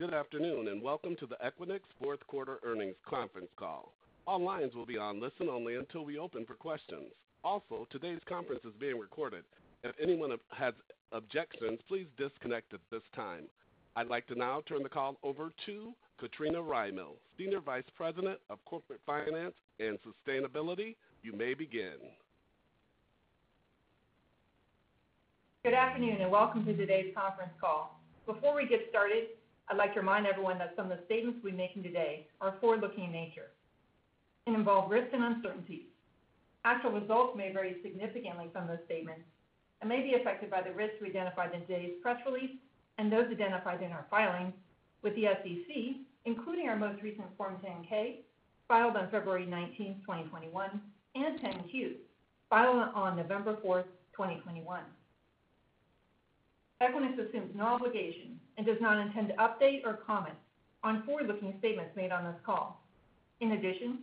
Good afternoon, and welcome to the Equinix fourth quarter earnings conference call. All lines will be on listen only until we open for questions. Also, today's conference is being recorded. If anyone has objections, please disconnect at this time. I'd like to now turn the call over to Katrina Rymill, Senior Vice President of Corporate Finance and Sustainability. You may begin. Good afternoon, and welcome to today's conference call. Before we get started, I'd like to remind everyone that some of the statements we make today are forward-looking in nature and involve risks and uncertainties. Actual results may vary significantly from those statements and may be affected by the risks we identify in today's press release and those identified in our filings with the SEC, including our most recent Form 10-K filed on February 19, 2021, and Form 10-Q filed on November 4th, 2021. Equinix assumes no obligation and does not intend to update or comment on forward-looking statements made on this call. In addition,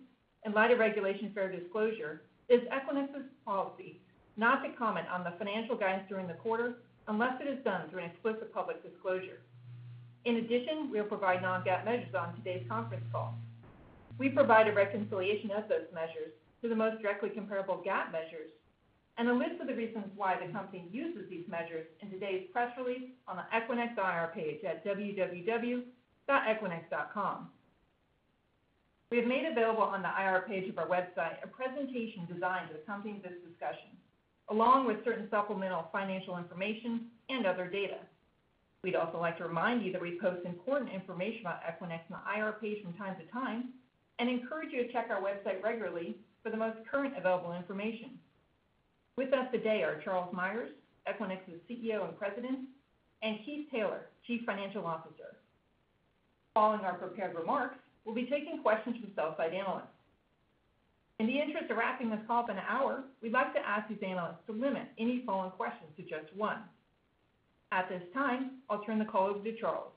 in light of Regulation Fair Disclosure, it is Equinix's policy not to comment on the financial guidance during the quarter unless it is done through an explicit public disclosure. In addition, we'll provide non-GAAP measures on today's conference call. We provide a reconciliation of those measures to the most directly comparable GAAP measures and a list of the reasons why the company uses these measures in today's press release on the Equinix IR page at www.equinix.com. We have made available on the IR page of our website a presentation designed to accompany this discussion, along with certain supplemental financial information and other data. We'd also like to remind you that we post important information about Equinix on the IR page from time to time and encourage you to check our website regularly for the most current available information. With us today are Charles Meyers, Equinix's CEO and President, and Keith Taylor, Chief Financial Officer. Following our prepared remarks, we'll be taking questions from sell-side analysts. In the interest of wrapping this call up in an hour, we'd like to ask these analysts to limit any follow-on questions to just one. At this time, I'll turn the call over to Charles.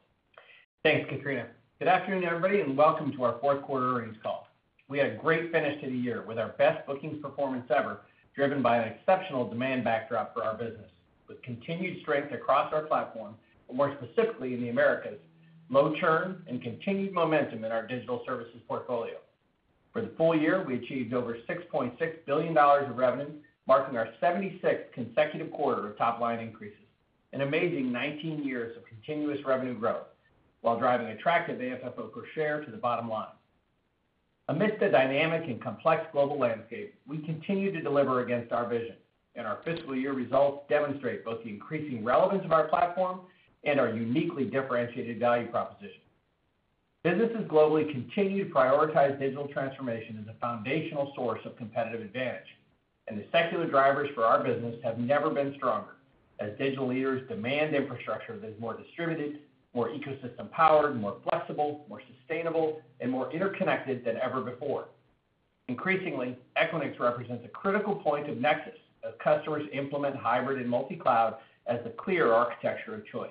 Thanks, Katrina. Good afternoon, everybody, and welcome to our fourth quarter earnings call. We had a great finish to the year with our best bookings performance ever, driven by an exceptional demand backdrop for our business, with continued strength across our platform, but more specifically in the Americas, low churn, and continued momentum in our digital services portfolio. For the full year, we achieved over $6.6 billion of revenue, marking our 76th consecutive quarter of top-line increases, an amazing 19 years of continuous revenue growth while driving attractive AFFO per share to the bottom line. Amidst the dynamic and complex global landscape, we continue to deliver against our vision, and our fiscal year results demonstrate both the increasing relevance of our platform and our uniquely differentiated value proposition. Businesses globally continue to prioritize digital transformation as a foundational source of competitive advantage, and the secular drivers for our business have never been stronger as digital leaders demand infrastructure that is more distributed, more ecosystem-powered, more flexible, more sustainable, and more interconnected than ever before. Increasingly, Equinix represents a critical point of nexus as customers implement hybrid and multi-cloud as the clear architecture of choice.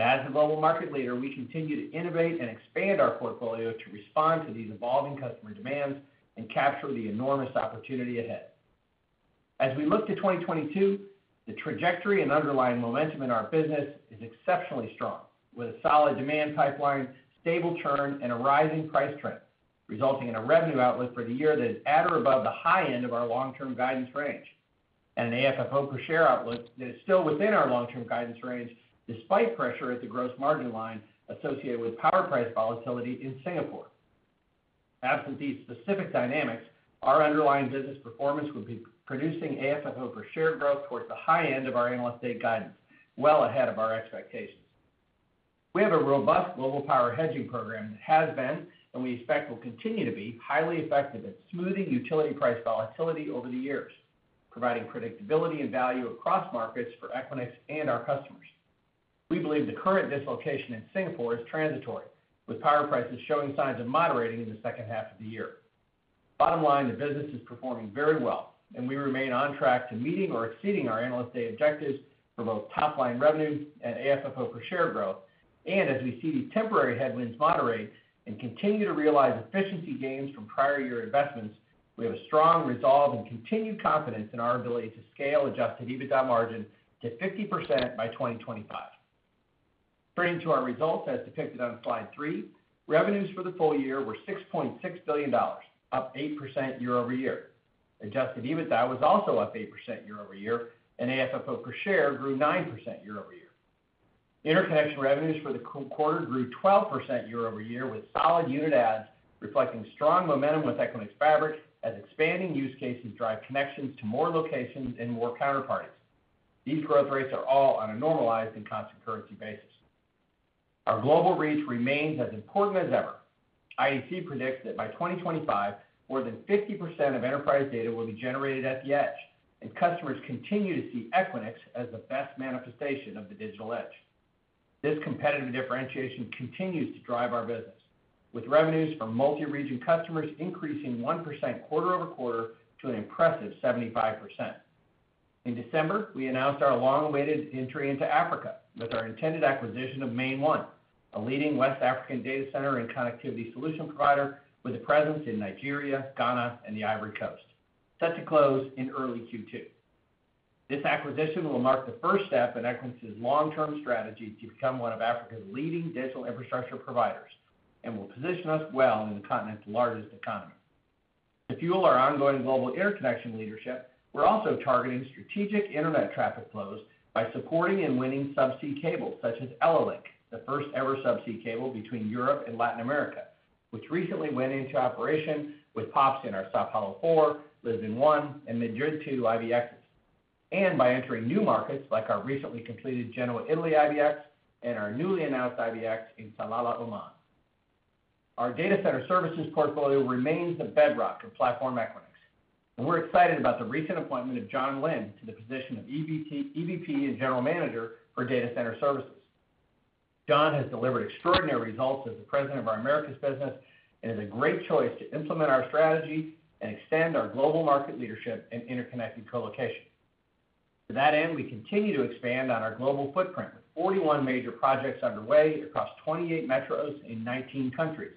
As the global market leader, we continue to innovate and expand our portfolio to respond to these evolving customer demands and capture the enormous opportunity ahead. As we look to 2022, the trajectory and underlying momentum in our business is exceptionally strong, with a solid demand pipeline, stable churn, and a rising price trend, resulting in a revenue outlook for the year that is at or above the high end of our long-term guidance range, and an AFFO per share outlook that is still within our long-term guidance range despite pressure at the gross margin line associated with power price volatility in Singapore. Absent these specific dynamics, our underlying business performance would be producing AFFO per share growth towards the high end of our Analyst Day guidance, well ahead of our expectations. We have a robust global power hedging program that has been, and we expect will continue to be, highly effective at smoothing utility price volatility over the years, providing predictability and value across markets for Equinix and our customers. We believe the current dislocation in Singapore is transitory, with power prices showing signs of moderating in the second half of the year. Bottom line, the business is performing very well, and we remain on track to meeting or exceeding our Analyst Day objectives for both top-line revenue and AFFO per share growth. As we see these temporary headwinds moderate and continue to realize efficiency gains from prior year investments, we have a strong resolve and continued confidence in our ability to scale Adjusted EBITDA margin to 50% by 2025. Turning to our results as depicted on slide three, revenues for the full year were $6.6 billion, up 8% year-over-year. Adjusted EBITDA was also up 8% year-over-year, and AFFO per share grew 9% year-over-year. Interconnection revenues for the quarter grew 12% year-over-year with solid unit adds, reflecting strong momentum with Equinix Fabric as expanding use cases drive connections to more locations and more counterparties. These growth rates are all on a normalized and constant currency basis. Our global reach remains as important as ever. IDC predicts that by 2025, more than 50% of enterprise data will be generated at the edge, and customers continue to see Equinix as the best manifestation of the digital edge. This competitive differentiation continues to drive our business, with revenues from multi-region customers increasing 1% quarter-over-quarter to an impressive 75%. In December, we announced our long-awaited entry into Africa with our intended acquisition of MainOne, a leading West African data center and connectivity solution provider with a presence in Nigeria, Ghana, and the Ivory Coast, set to close in early Q2. This acquisition will mark the first step in Equinix's long-term strategy to become one of Africa's leading digital infrastructure providers and will position us well in the continent's largest economy. To fuel our ongoing global interconnection leadership, we're also targeting strategic internet traffic flows by supporting and winning subsea cables such as EllaLink, the first-ever subsea cable between Europe and Latin America, which recently went into operation with PoPs in our São Paulo four, Lisbon one, and Madrid two IBXs. By entering new markets like our recently completed Genoa, Italy, IBX and our newly announced IBX in Salalah, Oman. Our data center services portfolio remains the bedrock of Platform Equinix, and we're excited about the recent appointment of John Lynn to the position of EVP and General Manager for Data Center Services. John has delivered extraordinary results as the president of our Americas business and is a great choice to implement our strategy and extend our global market leadership in interconnected colocation. To that end, we continue to expand on our global footprint, with 41 major projects underway across 28 metros in 19 countries,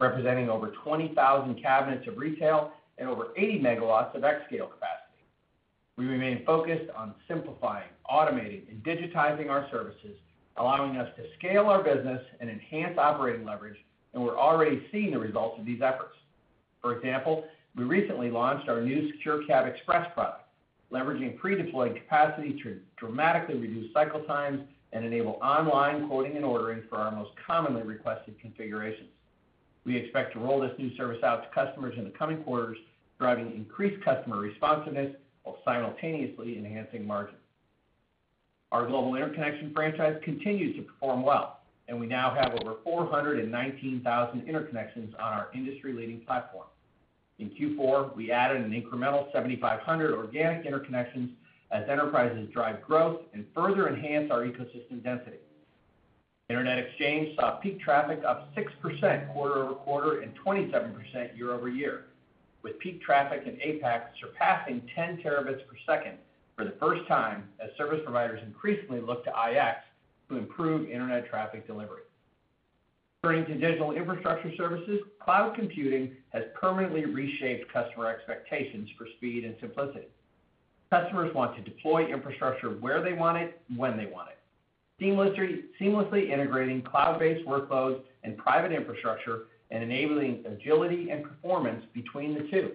representing over 20,000 cabinets of retail and over 80 MW of xScale capacity. We remain focused on simplifying, automating, and digitizing our services, allowing us to scale our business and enhance operating leverage, and we're already seeing the results of these efforts. For example, we recently launched our new Secure Cabinet Express product, leveraging pre-deployed capacity to dramatically reduce cycle times and enable online quoting and ordering for our most commonly requested configurations. We expect to roll this new service out to customers in the coming quarters, driving increased customer responsiveness while simultaneously enhancing margins. Our global interconnection franchise continues to perform well, and we now have over 419,000 interconnections on our industry-leading platform. In Q4, we added an incremental 7,500 organic interconnections as enterprises drive growth and further enhance our ecosystem density. Internet exchange saw peak traffic up 6% quarter-over-quarter and 27% year-over-year, with peak traffic in APAC surpassing 10 Tbps for the first time as service providers increasingly look to IX to improve internet traffic delivery. Turning to digital infrastructure services, cloud computing has permanently reshaped customer expectations for speed and simplicity. Customers want to deploy infrastructure where they want it, when they want it, seamlessly integrating cloud-based workloads and private infrastructure, and enabling agility and performance between the two.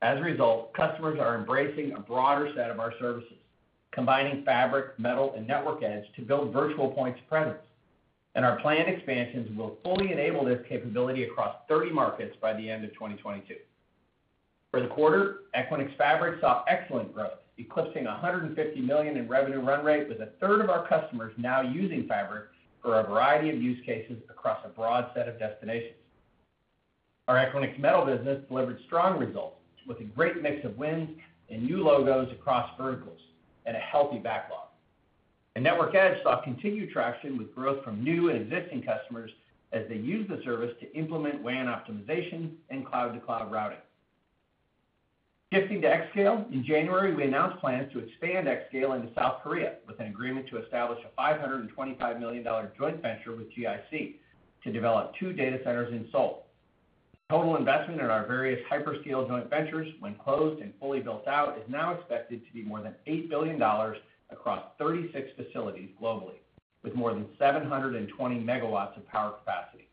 As a result, customers are embracing a broader set of our services, combining Fabric, Metal, and Network Edge to build virtual points of presence. Our planned expansions will fully enable this capability across 30 markets by the end of 2022. For the quarter, Equinix Fabric saw excellent growth, eclipsing $150 million in revenue run rate, with a third of our customers now using Fabric for a variety of use cases across a broad set of destinations. Our Equinix Metal business delivered strong results with a great mix of wins and new logos across verticals and a healthy backlog. Network Edge saw continued traction with growth from new and existing customers as they use the service to implement WAN optimization and cloud-to-cloud routing. Shifting to xScale, in January, we announced plans to expand xScale into South Korea with an agreement to establish a $525 million joint venture with GIC to develop two data centers in Seoul. The total investment in our various hyperscale joint ventures, when closed and fully built out, is now expected to be more than $8 billion across 36 facilities globally, with more than 720 MW of power capacity.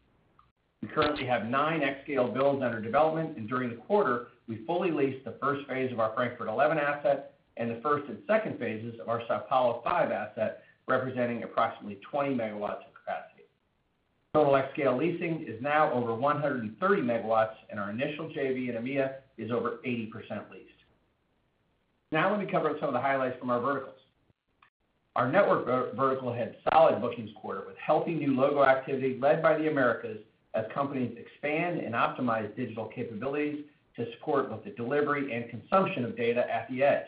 We currently have nine xScale builds under development, and during the quarter, we fully leased the first phase of our Frankfurt 11 asset and the first and second phases of our São Paulo 5 asset, representing approximately 20 MW of capacity. Total xScale leasing is now over 130 MW, and our initial JV in EMEA is over 80% leased. Now let me cover some of the highlights from our verticals. Our network vertical had solid bookings this quarter, with healthy new logo activity led by the Americas as companies expand and optimize digital capabilities to support both the delivery and consumption of data at the edge.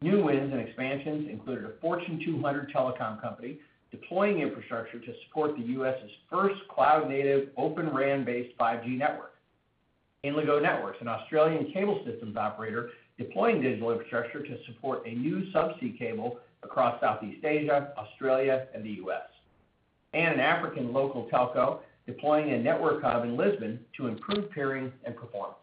New wins and expansions included a Fortune 200 telecom company deploying infrastructure to support the U.S.'s first cloud-native Open RAN-based 5G network. Inligo Networks, an Australian cable systems operator deploying digital infrastructure to support a new subsea cable across Southeast Asia, Australia, and the U.S. An African local telco deploying a network hub in Lisbon to improve peering and performance.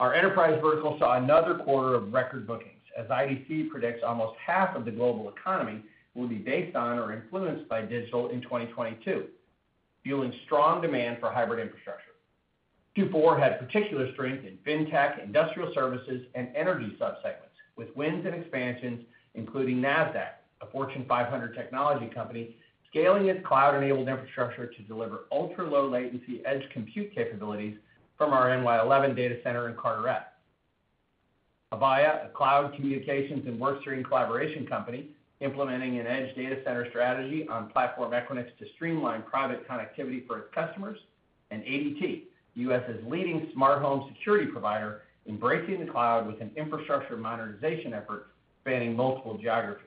Our enterprise vertical saw another quarter of record bookings as IDC predicts almost half of the global economy will be based on or influenced by digital in 2022, fueling strong demand for hybrid infrastructure. Q4 had particular strength in fintech, industrial services, and energy subsegments with wins and expansions, including Nasdaq, a Fortune 500 technology company, scaling its cloud-enabled infrastructure to deliver ultra-low latency edge compute capabilities from our NY11 data center in Carteret. Avaya, a cloud communications and workstream collaboration company, implementing an edge data center strategy on Platform Equinix to streamline private connectivity for its customers. ADT, the U.S.'s leading smart home security provider, embracing the cloud with an infrastructure modernization effort spanning multiple geographies.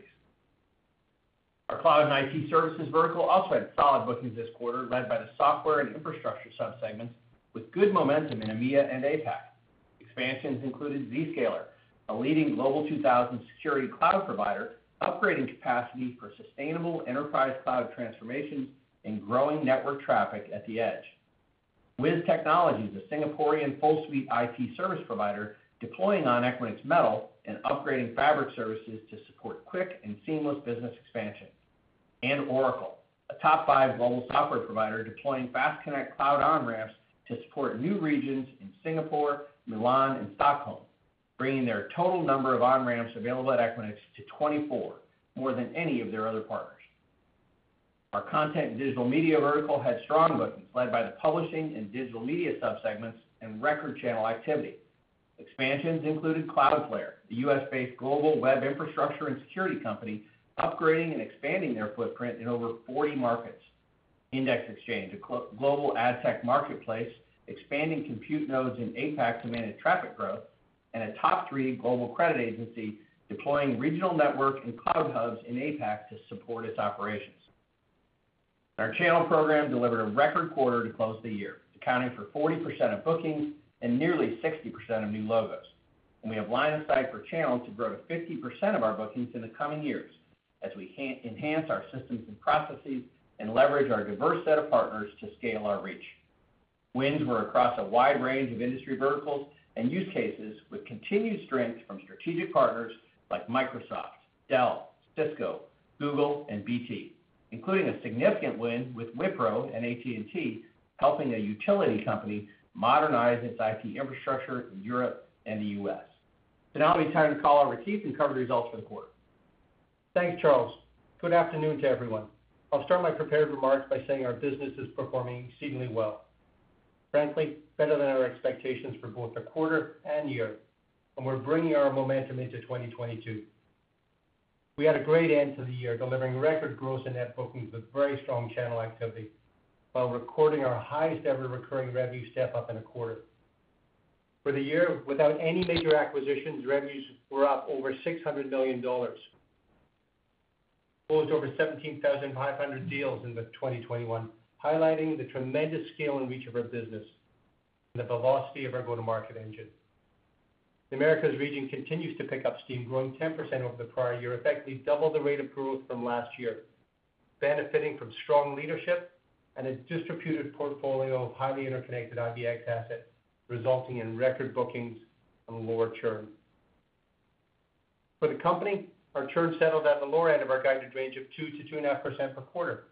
Our cloud and IT services vertical also had solid bookings this quarter, led by the software and infrastructure subsegments with good momentum in EMEA and APAC. Expansions included Zscaler, a leading Global 2000 security cloud provider, upgrading capacity for sustainable enterprise cloud transformation and growing network traffic at the edge. Wiz Technologies, the Singaporean full suite IT service provider deploying on Equinix Metal and upgrading fabric services to support quick and seamless business expansion. Oracle, a top five global software provider deploying FastConnect cloud on-ramps to support new regions in Singapore, Milan, and Stockholm, bringing their total number of on-ramps available at Equinix to 24, more than any of their other partners. Our content and digital media vertical had strong bookings led by the publishing and digital media sub-segments and record channel activity. Expansions included Cloudflare, the U.S.-based global web infrastructure and security company, upgrading and expanding their footprint in over 40 markets. Index Exchange, a global ad tech marketplace, expanding compute nodes in APAC to manage traffic growth, and a top three global credit agency deploying regional network and cloud hubs in APAC to support its operations. Our channel program delivered a record quarter to close the year, accounting for 40% of bookings and nearly 60% of new logos. We have line of sight for channel to grow to 50% of our bookings in the coming years as we enhance our systems and processes and leverage our diverse set of partners to scale our reach. Wins were across a wide range of industry verticals and use cases with continued strength from strategic partners like Microsoft, Dell, Cisco, Google and BT, including a significant win with Wipro and AT&T, helping a utility company modernize its IT infrastructure in Europe and the U.S. Now let me turn the call over to Keith and cover the results for the quarter. Thanks, Charles. Good afternoon to everyone. I'll start my prepared remarks by saying our business is performing exceedingly well, frankly, better than our expectations for both the quarter and year, and we're bringing our momentum into 2022. We had a great end to the year, delivering record gross and net bookings with very strong channel activity while recording our highest ever recurring revenue step-up in a quarter. For the year, without any major acquisitions, revenues were up over $600 million, closed over 17,500 deals in 2021, highlighting the tremendous scale and reach of our business and the velocity of our go-to-market engine. The Americas region continues to pick up steam, growing 10% over the prior year, effectively double the rate of growth from last year, benefiting from strong leadership and a distributed portfolio of highly interconnected IBX assets, resulting in record bookings and lower churn. For the company, our churn settled at the lower end of our guided range of 2%-2.5% per quarter.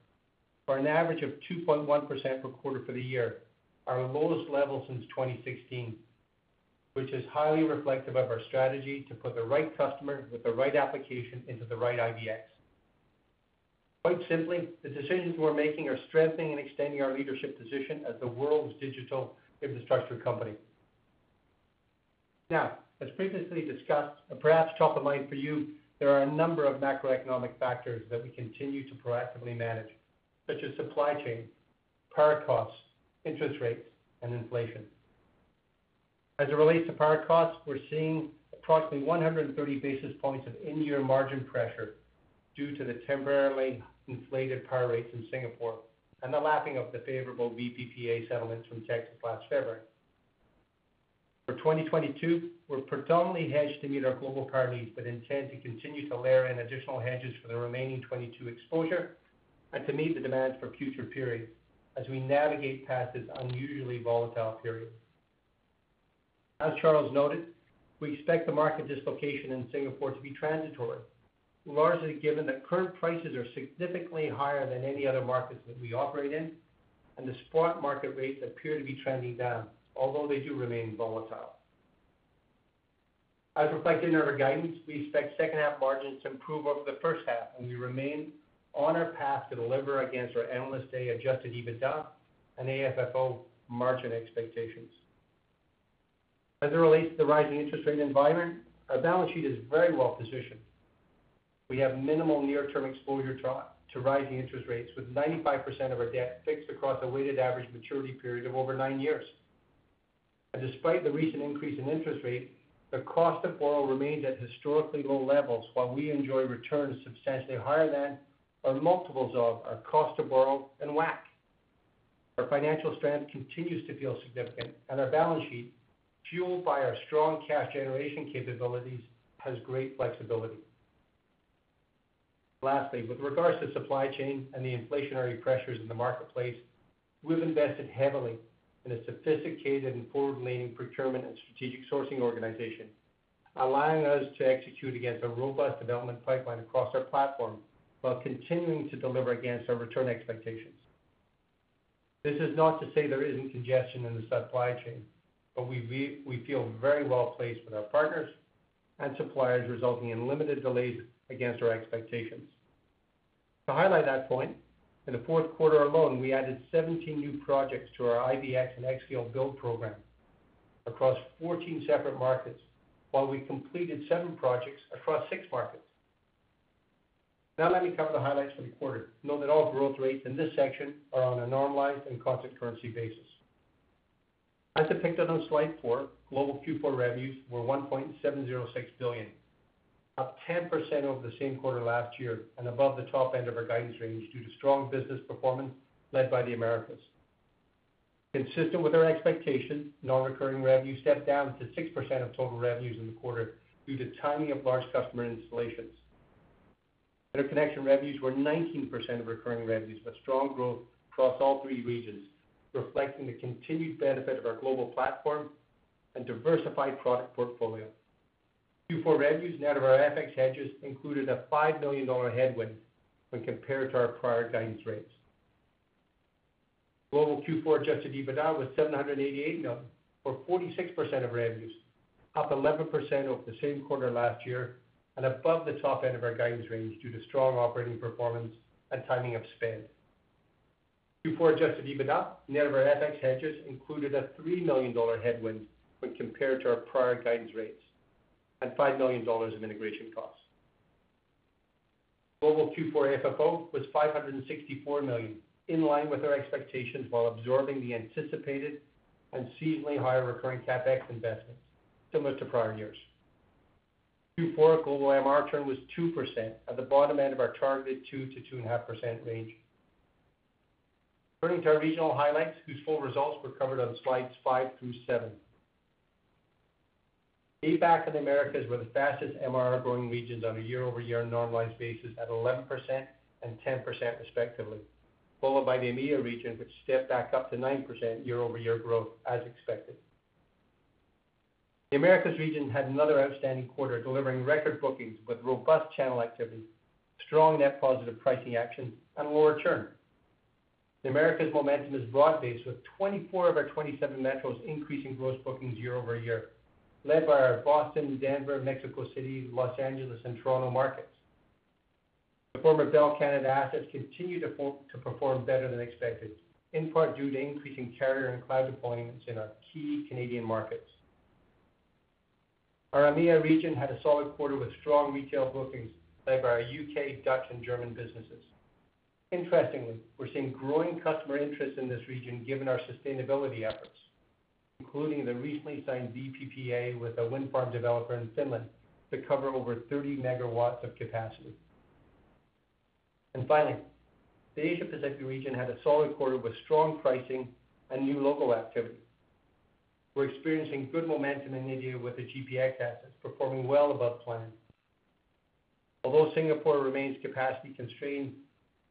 For an average of 2.1% per quarter for the year, our lowest level since 2016, which is highly reflective of our strategy to put the right customer with the right application into the right IBX. Quite simply, the decisions we're making are strengthening and extending our leadership position as the world's digital infrastructure company. Now, as previously discussed, and perhaps top of mind for you, there are a number of macroeconomic factors that we continue to proactively manage, such as supply chain, power costs, interest rates, and inflation. As it relates to power costs, we're seeing approximately 130 basis points of in-year margin pressure due to the temporarily inflated power rates in Singapore and the lapping of the favorable VPPA settlements from Texas last February. For 2022, we're predominantly hedged to meet our global power needs, but intend to continue to layer in additional hedges for the remaining 2022 exposure and to meet the demand for future periods as we navigate past this unusually volatile period. As Charles noted, we expect the market dislocation in Singapore to be transitory, largely given that current prices are significantly higher than any other markets that we operate in, and the spot market rates appear to be trending down, although they do remain volatile. As reflected in our guidance, we expect second half margins to improve over the first half, and we remain on our path to deliver against our Analyst Day Adjusted EBITDA and AFFO margin expectations. As it relates to the rising interest rate environment, our balance sheet is very well positioned. We have minimal near-term exposure to rising interest rates, with 95% of our debt fixed across a weighted average maturity period of over nine years. Despite the recent increase in interest rate, the cost to borrow remains at historically low levels while we enjoy returns substantially higher than our multiples of our cost to borrow and WACC. Our financial strength continues to feel significant and our balance sheet, fueled by our strong cash generation capabilities, has great flexibility. Lastly, with regards to supply chain and the inflationary pressures in the marketplace, we've invested heavily in a sophisticated and forward-leaning procurement and strategic sourcing organization, allowing us to execute against a robust development pipeline across our platform while continuing to deliver against our return expectations. This is not to say there isn't congestion in the supply chain, but we feel very well placed with our partners and suppliers, resulting in limited delays against our expectations. To highlight that point, in the fourth quarter alone, we added 17 new projects to our IBX and xScale Build program across 14 separate markets while we completed seven projects across six markets. Now let me cover the highlights for the quarter. Note that all growth rates in this section are on a normalized and constant currency basis. As depicted on slide four, global Q4 revenues were $1.706 billion, up 10% over the same quarter last year and above the top end of our guidance range due to strong business performance led by the Americas. Consistent with our expectations, non-recurring revenue stepped down to 6% of total revenues in the quarter due to timing of large customer installations. Interconnection revenues were 19% of recurring revenues, with strong growth across all three regions, reflecting the continued benefit of our global platform and diversified product portfolio. Q4 revenues net of our FX hedges included a $5 million headwind when compared to our prior guidance rates. Global Q4 Adjusted EBITDA was $788 million, or 46% of revenues, up 11% over the same quarter last year, and above the top end of our guidance range due to strong operating performance and timing of spend. Q4 Adjusted EBITDA net of our FX hedges included a $3 million headwind when compared to our prior guidance rates, and $5 million of integration costs. Global Q4 FFO was $564 million, in line with our expectations while absorbing the anticipated and seasonally higher recurring CapEx investments similar to prior years. Q4 global MRR churn was 2% at the bottom end of our targeted 2%-2.5% range. Turning to our regional highlights, whose full results were covered on slides five through seven. APAC and Americas were the fastest MRR growing regions on a year-over-year normalized basis at 11% and 10% respectively, followed by the EMEA region, which stepped back up to 9% year-over-year growth as expected. The Americas region had another outstanding quarter, delivering record bookings with robust channel activity, strong net positive pricing actions, and lower churn. The Americas momentum is broad-based, with 24 of our 27 metros increasing gross bookings year-over-year, led by our Boston, Denver, Mexico City, Los Angeles, and Toronto markets. The former Bell Canada assets continue to perform better than expected, in part due to increasing carrier and cloud deployments in our key Canadian markets. Our EMEA region had a solid quarter with strong retail bookings led by our U.K., Dutch, and German businesses. Interestingly, we're seeing growing customer interest in this region given our sustainability efforts, including the recently signed VPPA with a wind farm developer in Finland to cover over 30 MW of capacity. Finally, the Asia Pacific region had a solid quarter with strong pricing and new logo activity. We're experiencing good momentum in India with the GPX assets performing well above plan. Although Singapore remains capacity-constrained,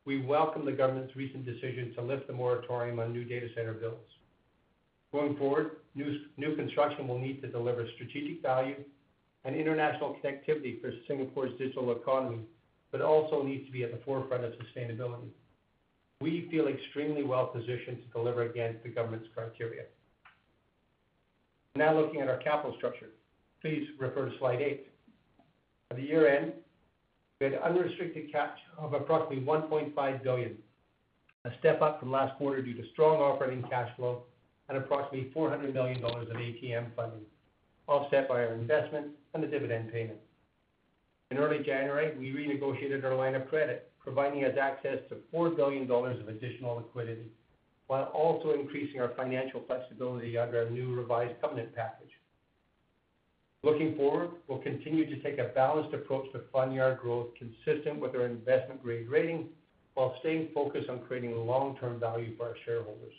we welcome the government's recent decision to lift the moratorium on new data center builds. Going forward, new construction will need to deliver strategic value and international connectivity for Singapore's digital economy, but also needs to be at the forefront of sustainability. We feel extremely well-positioned to deliver against the government's criteria. Now looking at our capital structure. Please refer to slide eight. At year-end, we had unrestricted cash of approximately $1.5 billion, a step up from last quarter due to strong operating cash flow and approximately $400 million of ATM funding, offset by our investment and the dividend payment. In early January, we renegotiated our line of credit, providing us access to $4 billion of additional liquidity while also increasing our financial flexibility under our new revised covenant package. Looking forward, we'll continue to take a balanced approach to funding our growth consistent with our investment-grade rating while staying focused on creating long-term value for our shareholders.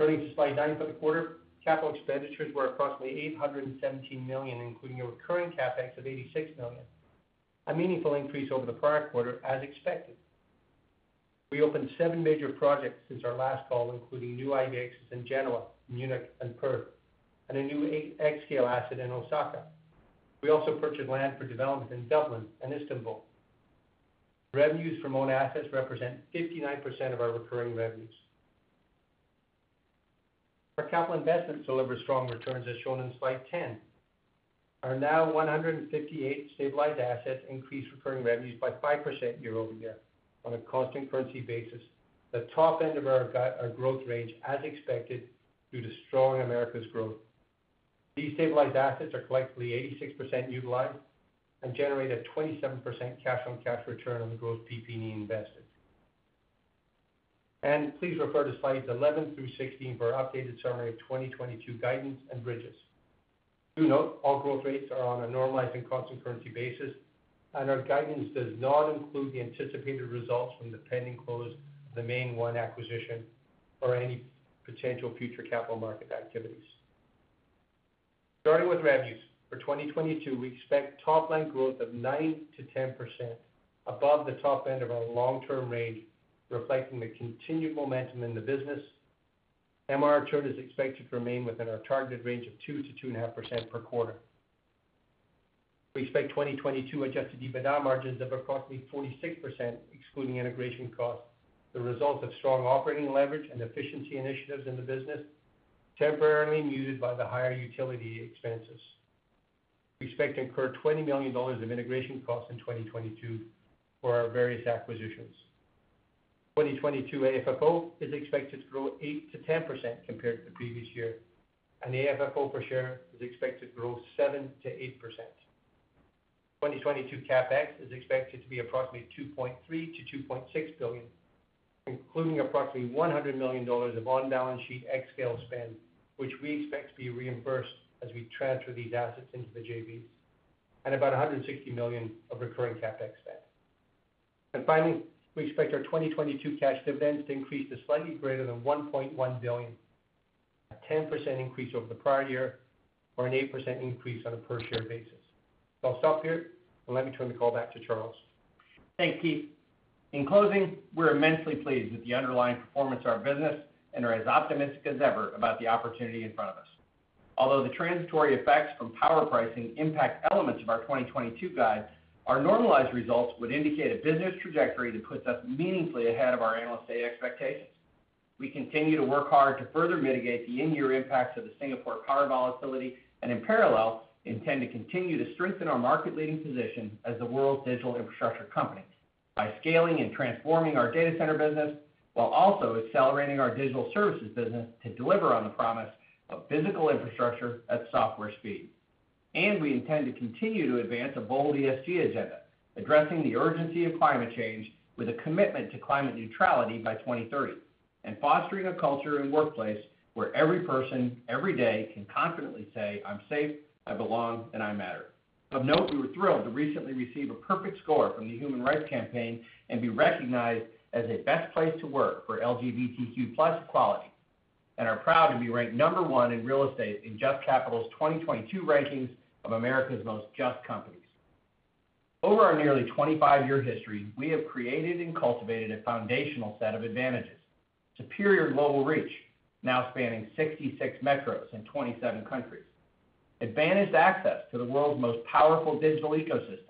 Turning to slide nine, for the quarter, capital expenditures were approximately $817 million, including a recurring CapEx of $86 million, a meaningful increase over the prior quarter as expected. We opened seven major projects since our last call, including new IBX in Genoa, Munich, and Perth, and a new xScale asset in Osaka. We also purchased land for development in Dublin and Istanbul. Revenues from owned assets represent 59% of our recurring revenues. Our capital investments deliver strong returns, as shown in slide 10. Our now 158 stabilized assets increased recurring revenues by 5% year-over-year on a constant currency basis, the top end of our growth range as expected due to strong Americas growth. These stabilized assets are collectively 86% utilized and generate a 27% cash on cash return on the gross PP&E invested. Please refer to slides 11 through 16 for our updated summary of 2022 guidance and bridges. Note all growth rates are on a normalized and constant currency basis, and our guidance does not include the anticipated results from the pending close of the MainOne acquisition or any potential future capital market activities. Starting with revenues. For 2022, we expect top line growth of 9%-10% above the top end of our long-term range, reflecting the continued momentum in the business. MR churn is expected to remain within our targeted range of 2%-2.5% per quarter. We expect 2022 Adjusted EBITDA margins of approximately 46% excluding integration costs, the result of strong operating leverage and efficiency initiatives in the business, temporarily muted by the higher utility expenses. We expect to incur $20 million of integration costs in 2022 for our various acquisitions. 2022 AFFO is expected to grow 8%-10% compared to the previous year, and the AFFO per share is expected to grow 7%-8%. 2022 CapEx is expected to be approximately $2.3 billion-$2.6 billion, including approximately $100 million of on-balance sheet xScale spend, which we expect to be reimbursed as we transfer these assets into the JVs, and about $160 million of recurring CapEx spend. Finally, we expect our 2022 cash dividends to increase to slightly greater than $1.1 billion, a 10% increase over the prior year or an 8% increase on a per share basis. I'll stop here and let me turn the call back to Charles. Thanks, Keith. In closing, we're immensely pleased with the underlying performance of our business and are as optimistic as ever about the opportunity in front of us. Although the transitory effects from power pricing impact elements of our 2022 guide, our normalized results would indicate a business trajectory that puts us meaningfully ahead of our analysts' expectations. We continue to work hard to further mitigate the in-year impacts of the Singapore power volatility, and in parallel, intend to continue to strengthen our market-leading position as the world's digital infrastructure company by scaling and transforming our data center business while also accelerating our digital services business to deliver on the promise of physical infrastructure at software speed. We intend to continue to advance a bold ESG agenda, addressing the urgency of climate change with a commitment to climate neutrality by 2030, and fostering a culture and workplace where every person every day can confidently say, "I'm safe, I belong, and I matter." Of note, we were thrilled to recently receive a perfect score from the Human Rights Campaign and be recognized as a best place to work for LGBTQ+ equality, and are proud to be ranked number one in real estate in JUST Capital's 2022 rankings of America's most just companies. Over our nearly 25-year history, we have created and cultivated a foundational set of advantages, superior global reach, now spanning 66 metros in 27 countries. Advantaged access to the world's most powerful digital ecosystems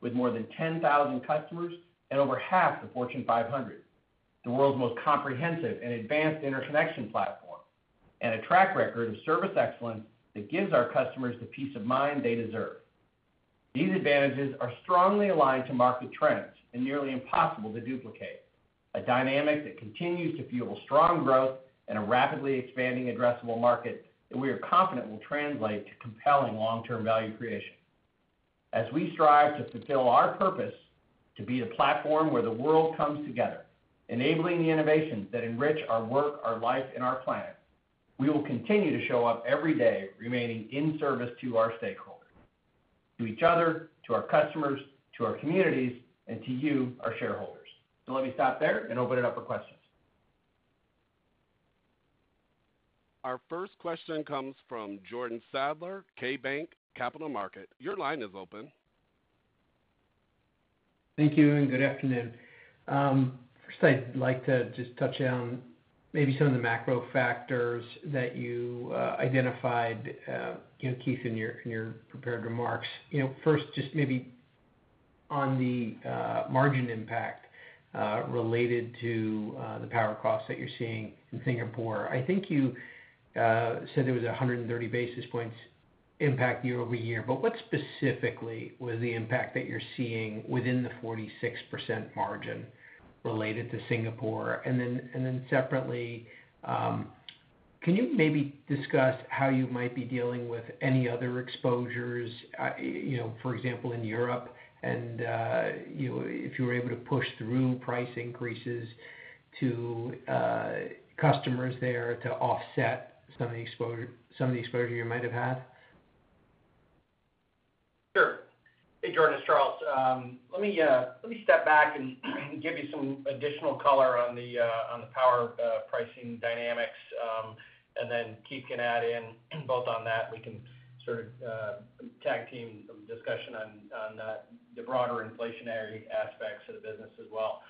with more than 10,000 customers and over half the Fortune 500. The world's most comprehensive and advanced interconnection platform, and a track record of service excellence that gives our customers the peace of mind they deserve. These advantages are strongly aligned to market trends and nearly impossible to duplicate, a dynamic that continues to fuel strong growth in a rapidly expanding addressable market that we are confident will translate to compelling long-term value creation. As we strive to fulfill our purpose to be the platform where the world comes together, enabling the innovations that enrich our work, our life, and our planet, we will continue to show up every day remaining in service to our stakeholders, to each other, to our customers, to our communities, and to you, our shareholders. Let me stop there and open it up for questions. Our first question comes from Jordan Sadler, KeyBanc Capital Markets. Your line is open. Thank you, and good afternoon. First I'd like to just touch on maybe some of the macro factors that you identified, you know, Keith, in your prepared remarks. You know, first, just maybe on the margin impact related to the power costs that you're seeing in Singapore. I think you said it was 100 basis points impact year-over-year. But what specifically was the impact that you're seeing within the 46% margin related to Singapore? And then separately, can you maybe discuss how you might be dealing with any other exposures, you know, for example, in Europe and if you were able to push through price increases to customers there to offset some of the exposure you might have had? Sure. Hey, Jordan, it's Charles. Let me step back and give you some additional color on the power pricing dynamics, and then Keith can add in both on that. We can sort of tag team some discussion on the broader inflationary aspects of the business as well.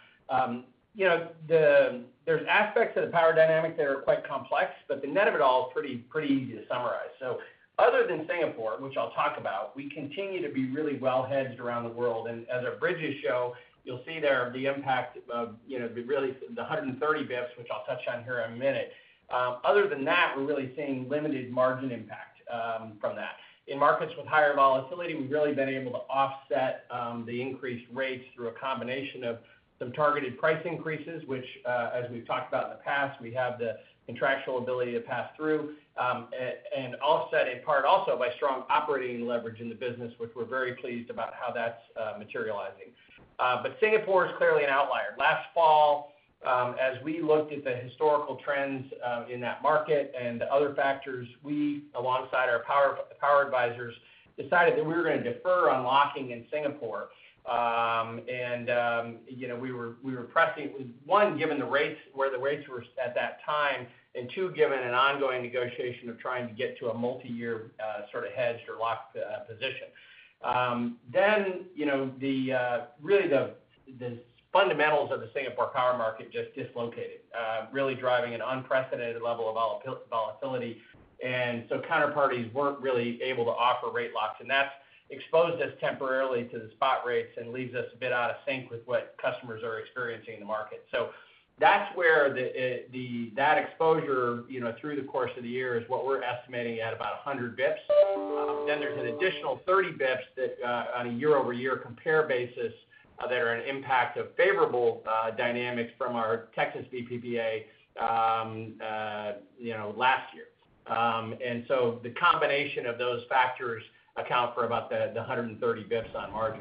You know, there's aspects of the power dynamic that are quite complex, but the net of it all is pretty easy to summarize. Other than Singapore, which I'll talk about, we continue to be really well hedged around the world. As our bridges show, you'll see there the impact of, you know, the 130 basis points, which I'll touch on here in a minute. Other than that, we're really seeing limited margin impact from that. In markets with higher volatility, we've really been able to offset the increased rates through a combination of some targeted price increases, which, as we've talked about in the past, we have the contractual ability to pass through, and offset in part also by strong operating leverage in the business, which we're very pleased about how that's materializing. Singapore is clearly an outlier. Last fall, as we looked at the historical trends in that market and other factors, we, alongside our power advisors, decided that we were gonna defer on locking in Singapore. You know, we were pressing, one, given the rates where the rates were at that time, and two, given an ongoing negotiation of trying to get to a multi-year sort of hedged or locked position. You know, really the fundamentals of the Singapore power market just dislocated, really driving an unprecedented level of volatility. Counterparties weren't really able to offer rate locks, and that's exposed us temporarily to the spot rates and leaves us a bit out of sync with what customers are experiencing in the market. That's where that exposure, you know, through the course of the year is what we're estimating at about 100 basis points. There's an additional 30 basis points that on a year-over-year compare basis that are an impact of favorable dynamics from our Texas VPPA last year. The combination of those factors account for about 130 basis points on margin.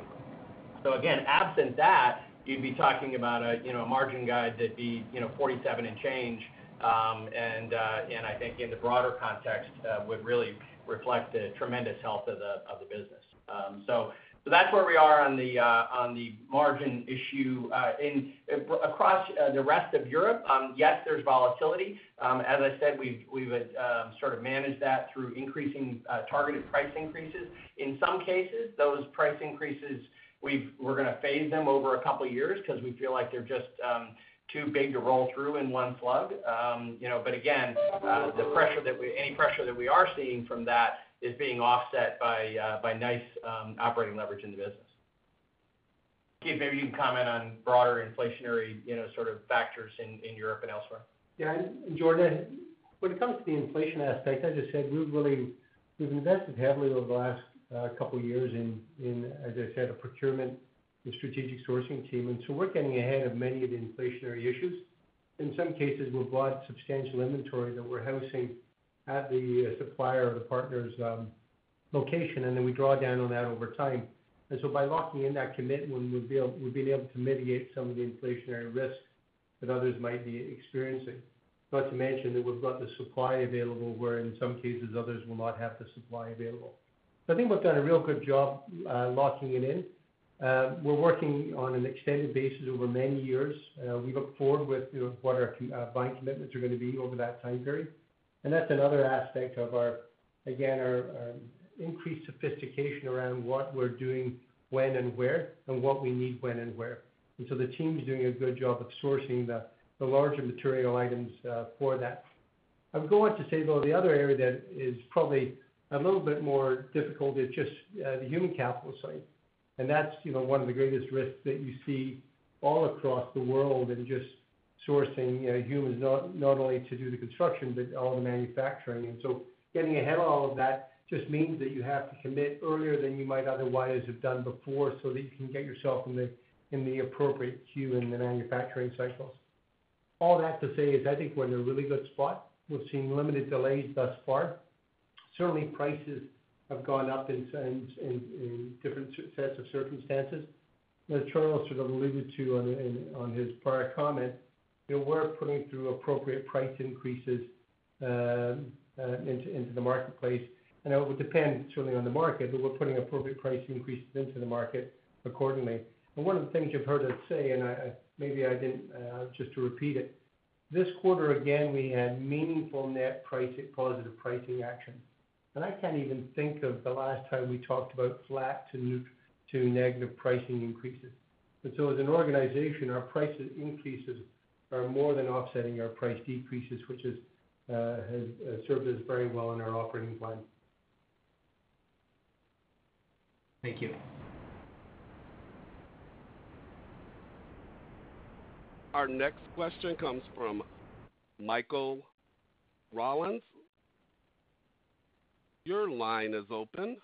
Again, absent that, you'd be talking about a, you know, a margin guide that'd be, you know, 47% and change. I think in the broader context would really reflect the tremendous health of the business. That's where we are on the margin issue. Across the rest of Europe, yes, there's volatility. As I said, we would sort of manage that through increasing targeted price increases. In some cases, those price increases, we're gonna phase them over a couple years 'cause we feel like they're just too big to roll through in one slug. You know, again, any pressure that we are seeing from that is being offset by nice operating leverage in the business. Keith, maybe you can comment on broader inflationary, you know, sort of factors in Europe and elsewhere. Jordan, when it comes to the inflation aspect, as I said, we've invested heavily over the last couple years in, as I said, a procurement and strategic sourcing team. We're getting ahead of many of the inflationary issues. In some cases, we've bought substantial inventory that we're housing at the supplier or the partner's location, and then we draw down on that over time. By locking in that commitment, we've been able to mitigate some of the inflationary risk that others might be experiencing. Not to mention that we've got the supply available, where in some cases others will not have the supply available. I think we've done a real good job locking it in. We're working on an extended basis over many years. We look forward with, you know, what our buying commitments are gonna be over that time period. That's another aspect of our again our increased sophistication around what we're doing, when and where, and what we need when and where. The team's doing a good job of sourcing the larger material items for that. I would go on to say, though, the other area that is probably a little bit more difficult is just the human capital side. That's, you know, one of the greatest risks that you see all across the world in just sourcing, you know, humans, not only to do the construction, but all the manufacturing. Getting ahead of all of that just means that you have to commit earlier than you might otherwise have done before, so that you can get yourself in the appropriate queue in the manufacturing cycles. All that to say is I think we're in a really good spot. We've seen limited delays thus far. Certainly, prices have gone up in some different subsets of circumstances. As Charles sort of alluded to on his prior comment, you know, we're putting through appropriate price increases into the marketplace. I know it would depend certainly on the market, but we're putting appropriate price increases into the market accordingly. One of the things you've heard us say, and I maybe didn't just to repeat it, this quarter, again, we had meaningful net pricing, positive pricing action. I can't even think of the last time we talked about flat to negative pricing increases. As an organization, our price increases are more than offsetting our price decreases, which has served us very well in our operating plan. Thank you. Our next question comes from Michael Rollins. Your line is open.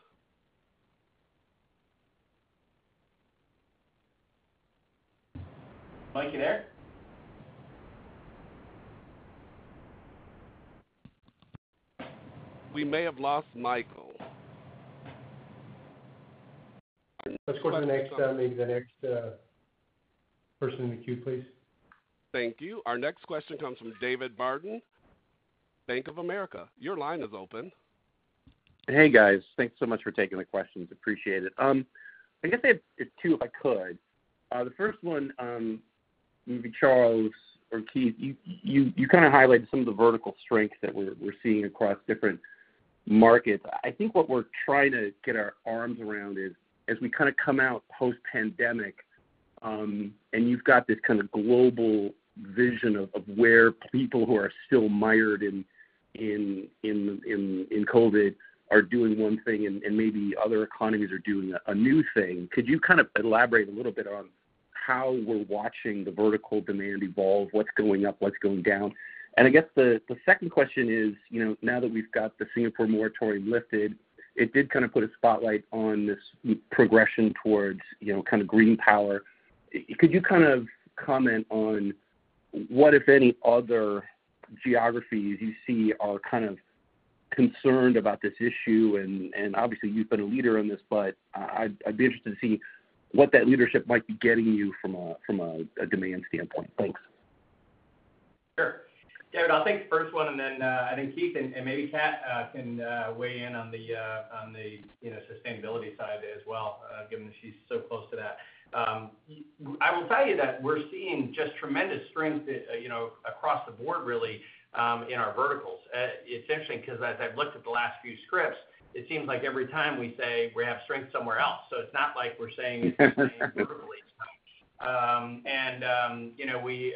Mike, you there? We may have lost Michael. Let's go to the next person in the queue, please. Thank you. Our next question comes from David Barden, Bank of America. Your line is open. Hey, guys. Thanks so much for taking the questions. Appreciate it. I guess I have two, if I could. The first one, maybe Charles or Keith, you kinda highlighted some of the vertical strengths that we're seeing across different markets. I think what we're trying to get our arms around is, as we kinda come out post-pandemic, and you've got this kind of global vision of where people who are still mired in COVID are doing one thing and maybe other economies are doing a new thing, could you kind of elaborate a little bit on how we're watching the vertical demand evolve, what's going up, what's going down? I guess the second question is, you know, now that we've got the Singapore moratorium lifted, it did kind of put a spotlight on this progression towards, you know, kind of green power. Could you kind of comment on what, if any, other geographies you see are kind of concerned about this issue? Obviously, you've been a leader in this, but I'd be interested to see what that leadership might be getting you from a demand standpoint. Thanks. Sure. David, I'll take the first one, and then I think Keith and maybe Kat can weigh in on the, you know, sustainability side as well, given that she's so close to that. I will tell you that we're seeing just tremendous strength, you know, across the board really, in our verticals. It's interesting 'cause as I've looked at the last few scripts, it seems like every time we say we have strength somewhere else. So it's not like we're saying you know, we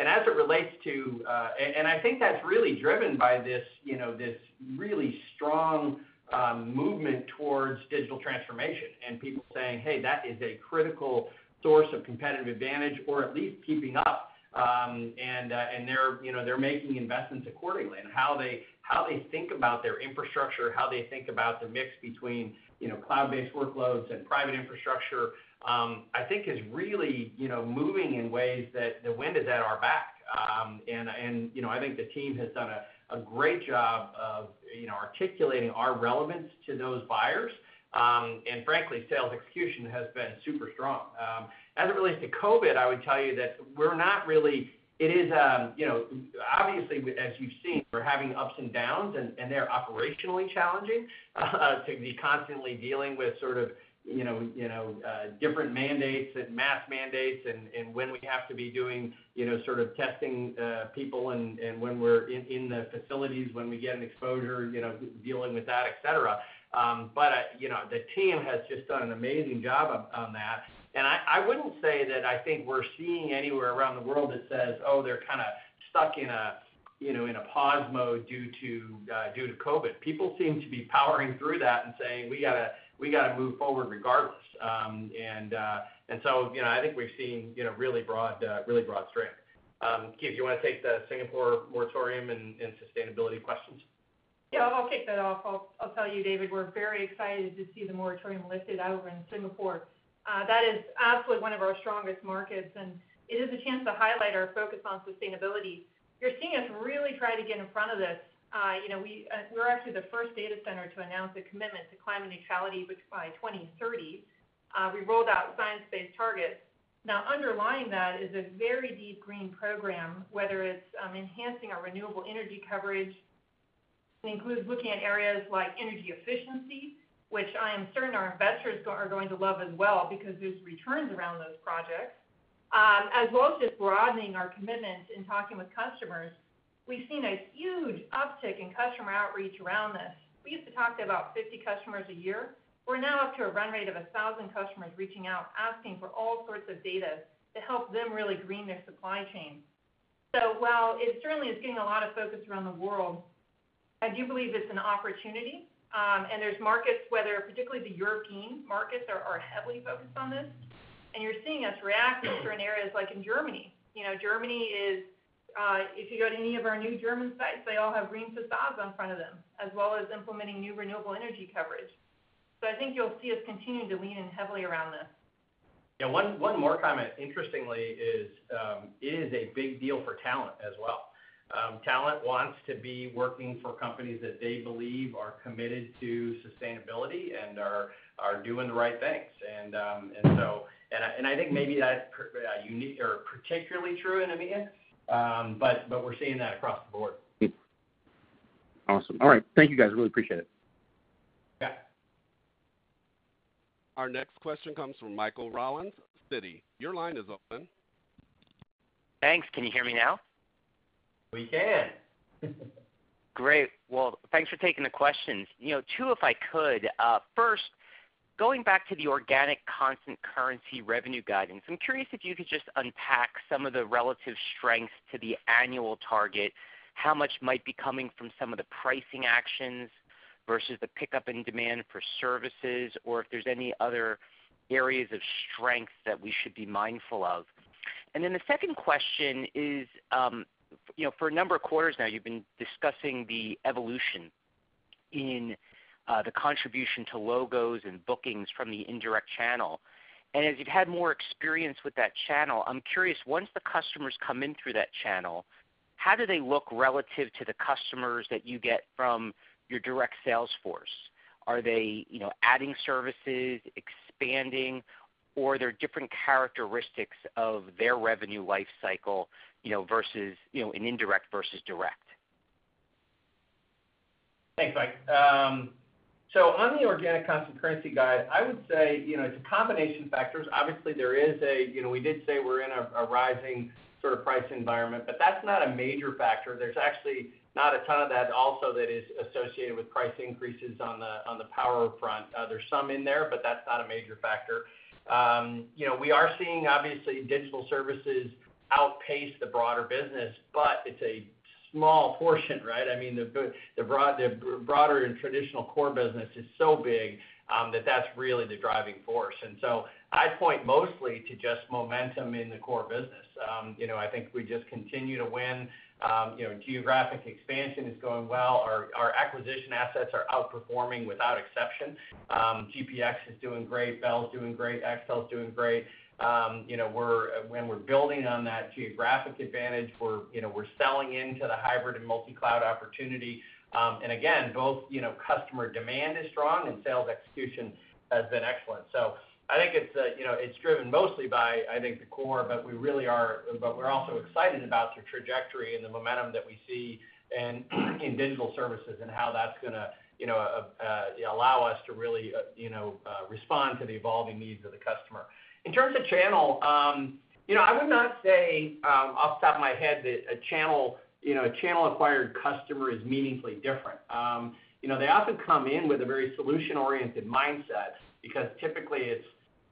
and as it relates to. I think that's really driven by this, you know, this really strong movement towards digital transformation and people saying, "Hey, that is a critical source of competitive advantage or at least keeping up." They're making investments accordingly. How they think about their infrastructure, the mix between, you know, cloud-based workloads and private infrastructure, I think is really, you know, moving in ways that the wind is at our back. I think the team has done a great job of, you know, articulating our relevance to those buyers. Frankly, sales execution has been super strong. As it relates to COVID, it is, you know, obviously, as you've seen, we're having ups and downs, and they're operationally challenging to be constantly dealing with sort of, you know, different mandates and mask mandates and when we have to be doing, you know, sort of testing people and when we're in the facilities, when we get an exposure, you know, dealing with that, et cetera. But, you know, the team has just done an amazing job on that. I wouldn't say that I think we're seeing anywhere around the world that says, oh, they're kind of stuck in a, you know, in a pause mode due to COVID. People seem to be powering through that and saying, "We gotta move forward regardless." You know, I think we've seen really broad strength. Keith, you wanna take the Singapore moratorium and sustainability questions? Yeah, I'll kick that off. I'll tell you, David, we're very excited to see the moratorium lifted out over in Singapore. That is absolutely one of our strongest markets, and it is a chance to highlight our focus on sustainability. You're seeing us really try to get in front of this. You know, we're actually the first data center to announce a commitment to climate neutrality, which by 2030, we rolled out science-based targets. Now, underlying that is a very deep green program, whether it's enhancing our renewable energy coverage. It includes looking at areas like energy efficiency, which I am certain our investors are going to love as well because there's returns around those projects, as well as just broadening our commitment in talking with customers. We've seen a huge uptick in customer outreach around this. We used to talk to about 50 customers a year. We're now up to a run rate of 1,000 customers reaching out, asking for all sorts of data to help them really green their supply chain. While it certainly is getting a lot of focus around the world, I do believe it's an opportunity, and there's markets, whether particularly the European markets are heavily focused on this. You're seeing us react in certain areas like in Germany. You know, Germany is, if you go to any of our new German sites, they all have green facades in front of them, as well as implementing new renewable energy coverage. I think you'll see us continue to lean in heavily around this. Yeah. One more comment, interestingly, it is a big deal for talent as well. Talent wants to be working for companies that they believe are committed to sustainability and are doing the right things. I think maybe that's particularly true in EMEA, but we're seeing that across the board. Awesome. All right. Thank you, guys. Really appreciate it. Yeah. Our next question comes from Michael Rollins, Citi. Your line is open. Thanks. Can you hear me now? We can. Great. Well, thanks for taking the questions. You know, two if I could. First, going back to the organic constant currency revenue guidance, I'm curious if you could just unpack some of the relative strengths to the annual target, how much might be coming from some of the pricing actions versus the pickup in demand for services, or if there's any other areas of strength that we should be mindful of. Then the second question is, you know, for a number of quarters now, you've been discussing the evolution in the contribution to logos and bookings from the indirect channel. As you've had more experience with that channel, I'm curious, once the customers come in through that channel, how do they look relative to the customers that you get from your direct sales force? Are they, you know, adding services, expanding, or there are different characteristics of their revenue life cycle, you know, versus, you know, in indirect versus direct? Thanks, Mike. So on the organic constant currency guide, I would say, you know, it's a combination of factors. Obviously, there is a, you know, we did say we're in a rising sort of price environment, but that's not a major factor. There's actually not a ton of that also that is associated with price increases on the power front. There's some in there, but that's not a major factor. You know, we are seeing, obviously, digital services outpace the broader business, but it's a small portion, right? I mean, the broader and traditional core business is so big, that that's really the driving force. I point mostly to just momentum in the core business. You know, I think we just continue to win. You know, geographic expansion is going well. Our acquisition assets are outperforming without exception. GPX is doing great. Bell's doing great. xScale's doing great. When we're building on that geographic advantage, we're selling into the hybrid and multi-cloud opportunity. Customer demand is strong and sales execution has been excellent. I think it's driven mostly by the core, but we're also excited about the trajectory and the momentum that we see in digital services and how that's gonna allow us to really respond to the evolving needs of the customer. In terms of channel, I would not say, off the top of my head, that a channel-acquired customer is meaningfully different. You know, they often come in with a very solution-oriented mindset because typically it's,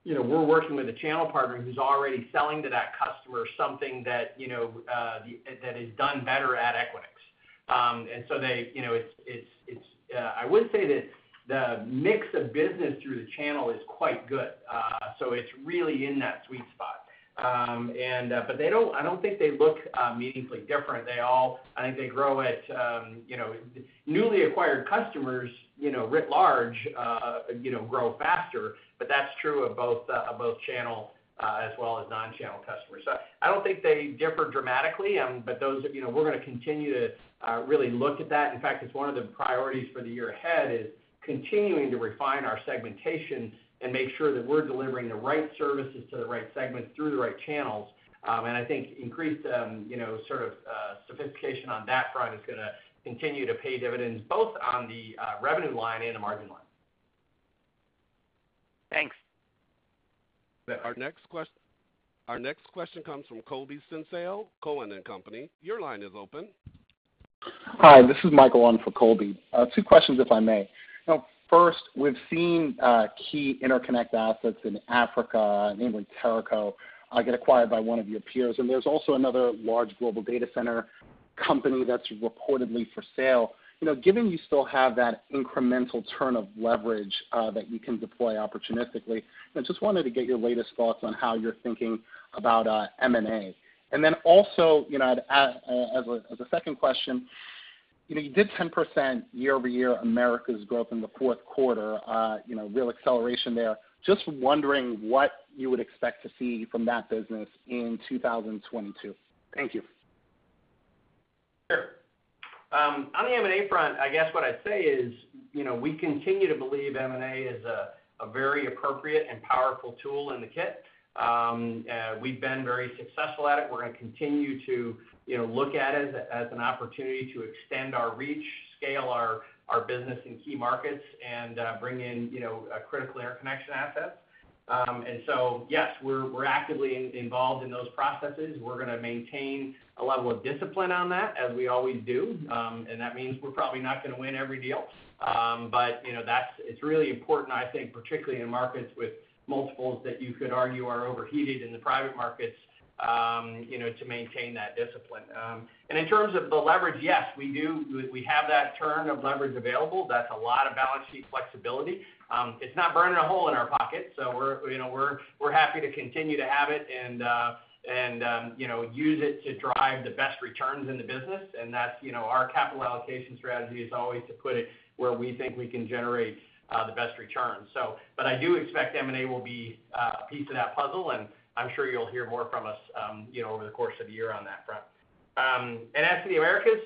you know, we're working with a channel partner who's already selling to that customer something that, you know, that is done better at Equinix. They, you know, it's I would say that the mix of business through the channel is quite good. It's really in that sweet spot. I don't think they look meaningfully different. I think they grow at, you know. Newly acquired customers, you know, writ large, you know, grow faster, but that's true of both channel as well as non-channel customers. I don't think they differ dramatically. Those are, you know, we're gonna continue to really look at that. In fact, it's one of the priorities for the year ahead, is continuing to refine our segmentation and make sure that we're delivering the right services to the right segment through the right channels. I think increased, you know, sort of, sophistication on that front is gonna continue to pay dividends both on the revenue line and the margin line. Thanks. Our next question comes from Colby Synesael, Cowen and Company. Your line is open. Hi, this is Michael on for Colby. Two questions, if I may. Now, first, we've seen key interconnect assets in Africa, namely Teraco, get acquired by one of your peers, and there's also another large global data center company that's reportedly for sale. You know, given you still have that incremental turn of leverage that you can deploy opportunistically, I just wanted to get your latest thoughts on how you're thinking about M&A. You know, as a second question, you know, you did 10% year-over-year Americas growth in the fourth quarter, you know, real acceleration there. Just wondering what you would expect to see from that business in 2022. Thank you. Sure. On the M&A front, I guess what I'd say is, you know, we continue to believe M&A is a very appropriate and powerful tool in the kit. We've been very successful at it. We're gonna continue to, you know, look at it as an opportunity to extend our reach, scale our business in key markets, and bring in, you know, critical interconnection assets. Yes, we're actively involved in those processes. We're gonna maintain a level of discipline on that, as we always do. That means we're probably not gonna win every deal. You know, that's, it's really important, I think, particularly in markets with multiples that you could argue are overheated in the private markets, you know, to maintain that discipline. In terms of the leverage, yes, we have that turn of leverage available. That's a lot of balance sheet flexibility. It's not burning a hole in our pocket, so we're happy to continue to have it and you know, use it to drive the best returns in the business. That's our capital allocation strategy is always to put it where we think we can generate the best returns. But I do expect M&A will be a piece of that puzzle, and I'm sure you'll hear more from us, you know, over the course of the year on that front. As for the Americas,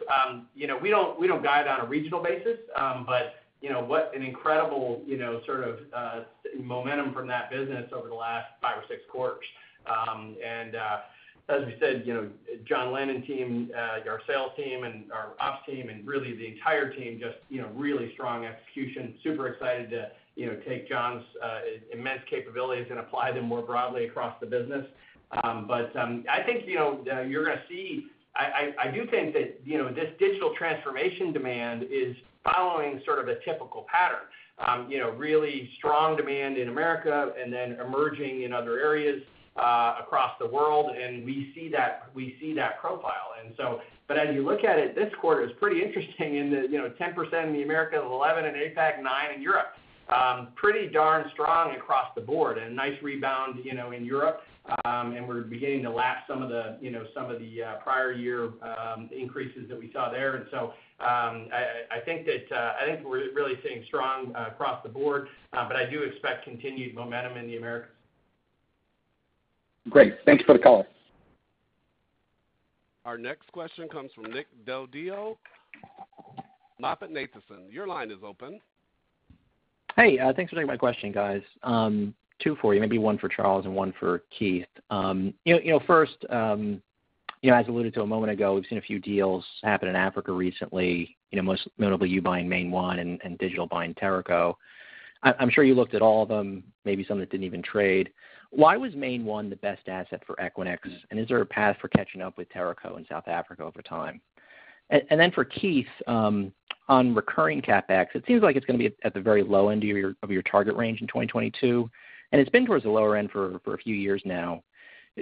you know, we don't guide on a regional basis, but you know, what an incredible, you know, sort of, momentum from that business over the last five or six quarters. As we said, you know, Jon Lin team, our sales team and our ops team and really the entire team just, you know, really strong execution. Super excited to, you know, take Jon's immense capabilities and apply them more broadly across the business. I think, you know, you're gonna see I do think that, you know, this digital transformation demand is following sort of a typical pattern. You know, really strong demand in America and then emerging in other areas, across the world, and we see that profile. As you look at it, this quarter is pretty interesting in the, you know, 10% in the Americas, 11% in APAC, 9% in Europe. Pretty darn strong across the board and nice rebound, you know, in Europe. We're beginning to lap some of the, you know, prior year increases that we saw there. I think we're really staying strong across the board, but I do expect continued momentum in the Americas. Great. Thanks for the color. Our next question comes from Nick Del Deo, MoffettNathanson. Your line is open. Hey, thanks for taking my question, guys. Two for you, maybe one for Charles and one for Keith. You know, first, you know, as alluded to a moment ago, we've seen a few deals happen in Africa recently, you know, most notably you buying MainOne and Digital Realty buying Teraco. I'm sure you looked at all of them, maybe some that didn't even trade. Why was MainOne the best asset for Equinix? Is there a path for catching up with Teraco in South Africa over time? For Keith, on recurring CapEx, it seems like it's gonna be at the very low end of your target range in 2022, and it's been towards the lower end for a few years now.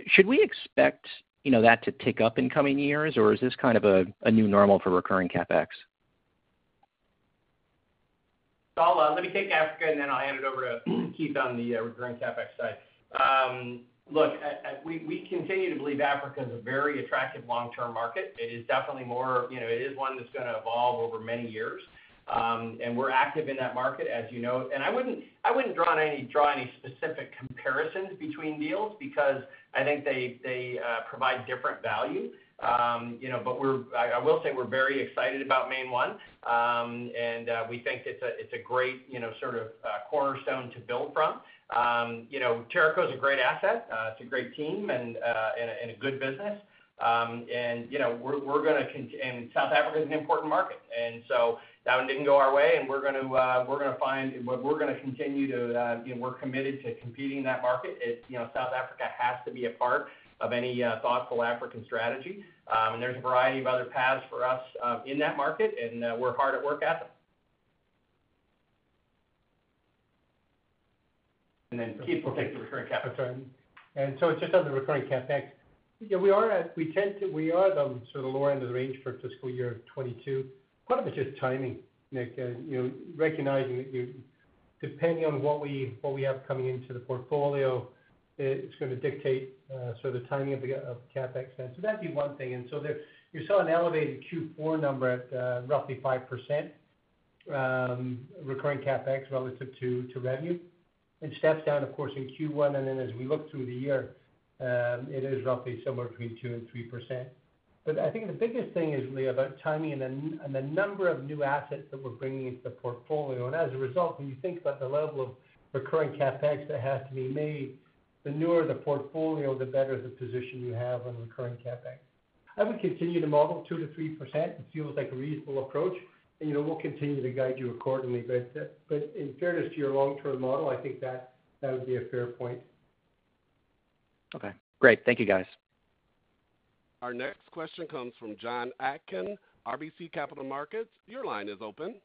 Should we expect, you know, that to tick up in coming years, or is this kind of a new normal for recurring CapEx? Let me take Africa, and then I'll hand it over to Keith on the recurring CapEx side. Look, we continue to believe Africa is a very attractive long-term market. It is definitely more, you know, it is one that's gonna evolve over many years. We're active in that market, as you know. I wouldn't draw any specific comparisons between deals because I think they provide different value. You know, but I will say we're very excited about MainOne. We think it's a great, you know, sort of, cornerstone to build from. You know, Teraco is a great asset. It's a great team and a good business. South Africa is an important market. That one didn't go our way, and we're going to continue to, you know, we're committed to competing in that market. You know, South Africa has to be a part of any thoughtful African strategy. There's a variety of other paths for us in that market, and we're hard at work at them. Then Keith will take the recurring CapEx. Okay. It's just on the recurring CapEx. Yeah, we are the sort of lower end of the range for fiscal year 2022. Part of it's just timing, Nick. You know, recognizing that depending on what we have coming into the portfolio, it's gonna dictate the timing of CapEx. So that'd be one thing. You saw an elevated Q4 number at roughly 5% recurring CapEx relative to revenue. It steps down, of course, in Q1, and then as we look through the year, it is roughly somewhere between 2%-3%. But I think the biggest thing is really about timing and the number of new assets that we're bringing into the portfolio. As a result, when you think about the level of recurring CapEx that has to be made, the newer the portfolio, the better the position you have on recurring CapEx. I would continue to model 2%-3%. It feels like a reasonable approach. You know, we'll continue to guide you accordingly. In fairness to your long-term model, I think that would be a fair point. Okay. Great. Thank you, guys. Our next question comes from Jon Atkin, RBC Capital Markets. Your line is open.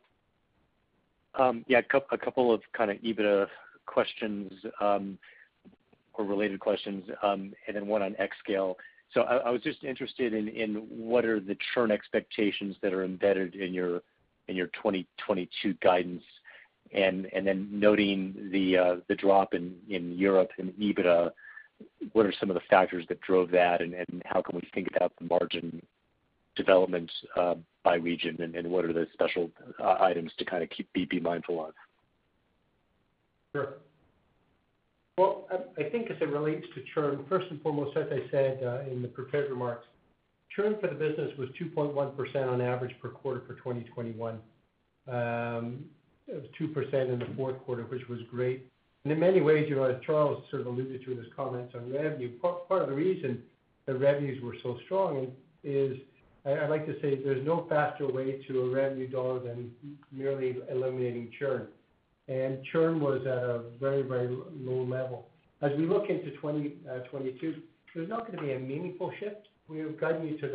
Yeah, a couple of kind of EBITDA questions or related questions, and then one on xScale. I was just interested in what are the churn expectations that are embedded in your 2022 guidance? Then noting the drop in Europe in EBITDA, what are some of the factors that drove that, and how can we think about the margin development by region? What are the special items to kind of be mindful of? Sure. Well, I think as it relates to churn, first and foremost, as I said in the prepared remarks, churn for the business was 2.1% on average per quarter for 2021. It was 2% in the fourth quarter, which was great. In many ways, you know, as Charles sort of alluded to in his comments on revenue, part of the reason the revenues were so strong is I like to say there's no faster way to a revenue dollar than merely eliminating churn. Churn was at a very, very low level. As we look into 2022, there's not gonna be a meaningful shift. We have guided you to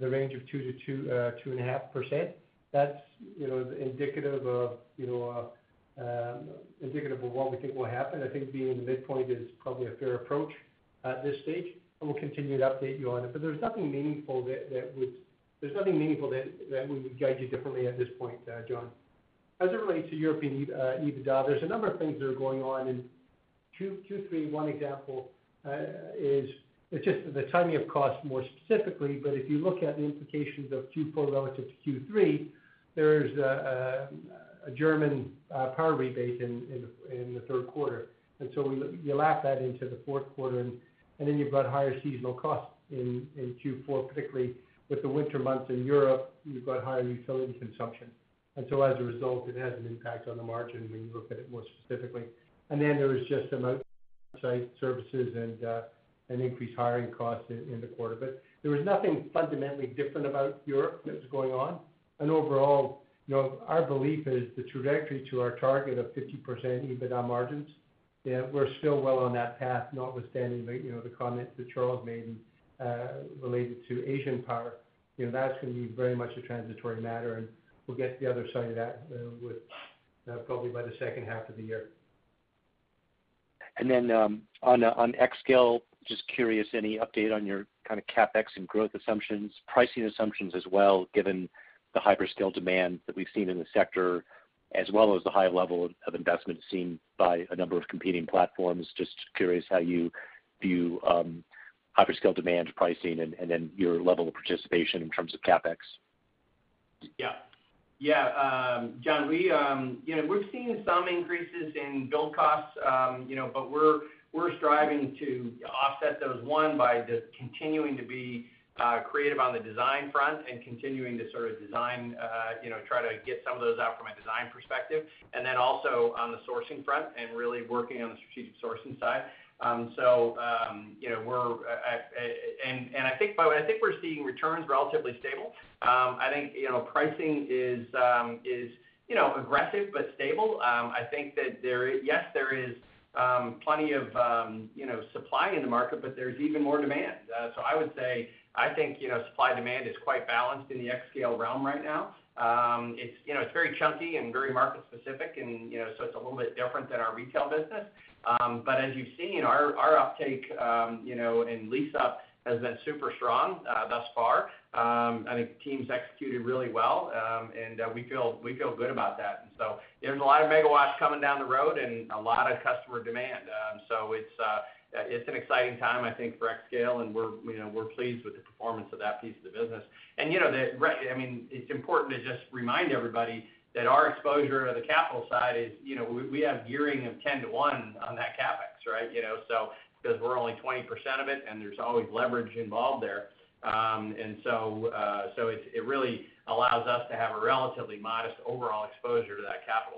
the range of 2%-2.5%. That's indicative of what we think will happen. I think being the midpoint is probably a fair approach at this stage, and we'll continue to update you on it. There's nothing meaningful that we would guide you differently at this point, John. As it relates to European EBITDA, there's a number of things that are going on. Q2, Q3, one example is just the timing of costs more specifically, but if you look at the implications of Q4 relative to Q3, there's a German power rebate in the third quarter. You lap that into the fourth quarter and then you've got higher seasonal costs in Q4, particularly with the winter months in Europe. You've got higher utility consumption. As a result, it has an impact on the margin when you look at it more specifically. There was just some outside services and increased hiring costs in the quarter. There was nothing fundamentally different about Europe that was going on. Overall, our belief is the trajectory to our target of 50% EBITDA margins, we're still well on that path, notwithstanding the comment that Charles made related to Asian power. That's gonna be very much a transitory matter, and we'll get to the other side of that probably by the second half of the year. On xScale, just curious, any update on your kind of CapEx and growth assumptions, pricing assumptions as well, given the hyperscale demand that we've seen in the sector, as well as the high level of investment seen by a number of competing platforms? Just curious how you view hyperscale demand pricing and then your level of participation in terms of CapEx. Yeah. Jon, you know, we've seen some increases in build costs, you know, but we're striving to offset those by just continuing to be creative on the design front and continuing to sort of design, you know, try to get some of those out from a design perspective. Then also on the sourcing front and really working on the strategic sourcing side. So, you know, we're, and by the way, I think we're seeing returns relatively stable. I think, you know, pricing is, you know, aggressive but stable. I think that there is, yes, there is plenty of, you know, supply in the market, but there's even more demand. So I would say, I think, you know, supply-demand is quite balanced in the xScale realm right now. It's, you know, it's very chunky and very market specific and, you know, so it's a little bit different than our retail business. As you've seen our uptake, you know, in lease up has been super strong, thus far. I think the team's executed really well. We feel good about that. There's a lot of megawatts coming down the road and a lot of customer demand. It's an exciting time, I think, for xScale and we're, you know, we're pleased with the performance of that piece of the business. You know, I mean, it's important to just remind everybody that our exposure to the capital side is, you know, we have gearing of 10 to 1 on that CapEx, right? You know, because we're only 20% of it, and there's always leverage involved there. It really allows us to have a relatively modest overall exposure to that capital.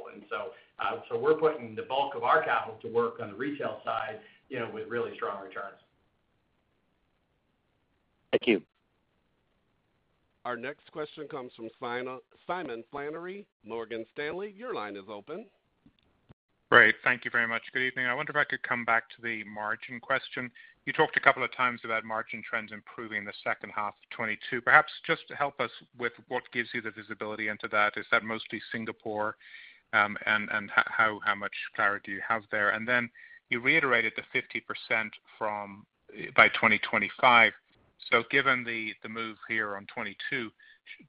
We're putting the bulk of our capital to work on the retail side, you know, with really strong returns. Thank you. Our next question comes from Simon Flannery, Morgan Stanley. Your line is open. Great. Thank you very much. Good evening. I wonder if I could come back to the margin question. You talked a couple of times about margin trends improving in the second half of 2022. Perhaps just help us with what gives you the visibility into that. Is that mostly Singapore? And how much clarity do you have there? Then you reiterated the 50% from by 2025. Given the move here on 2022,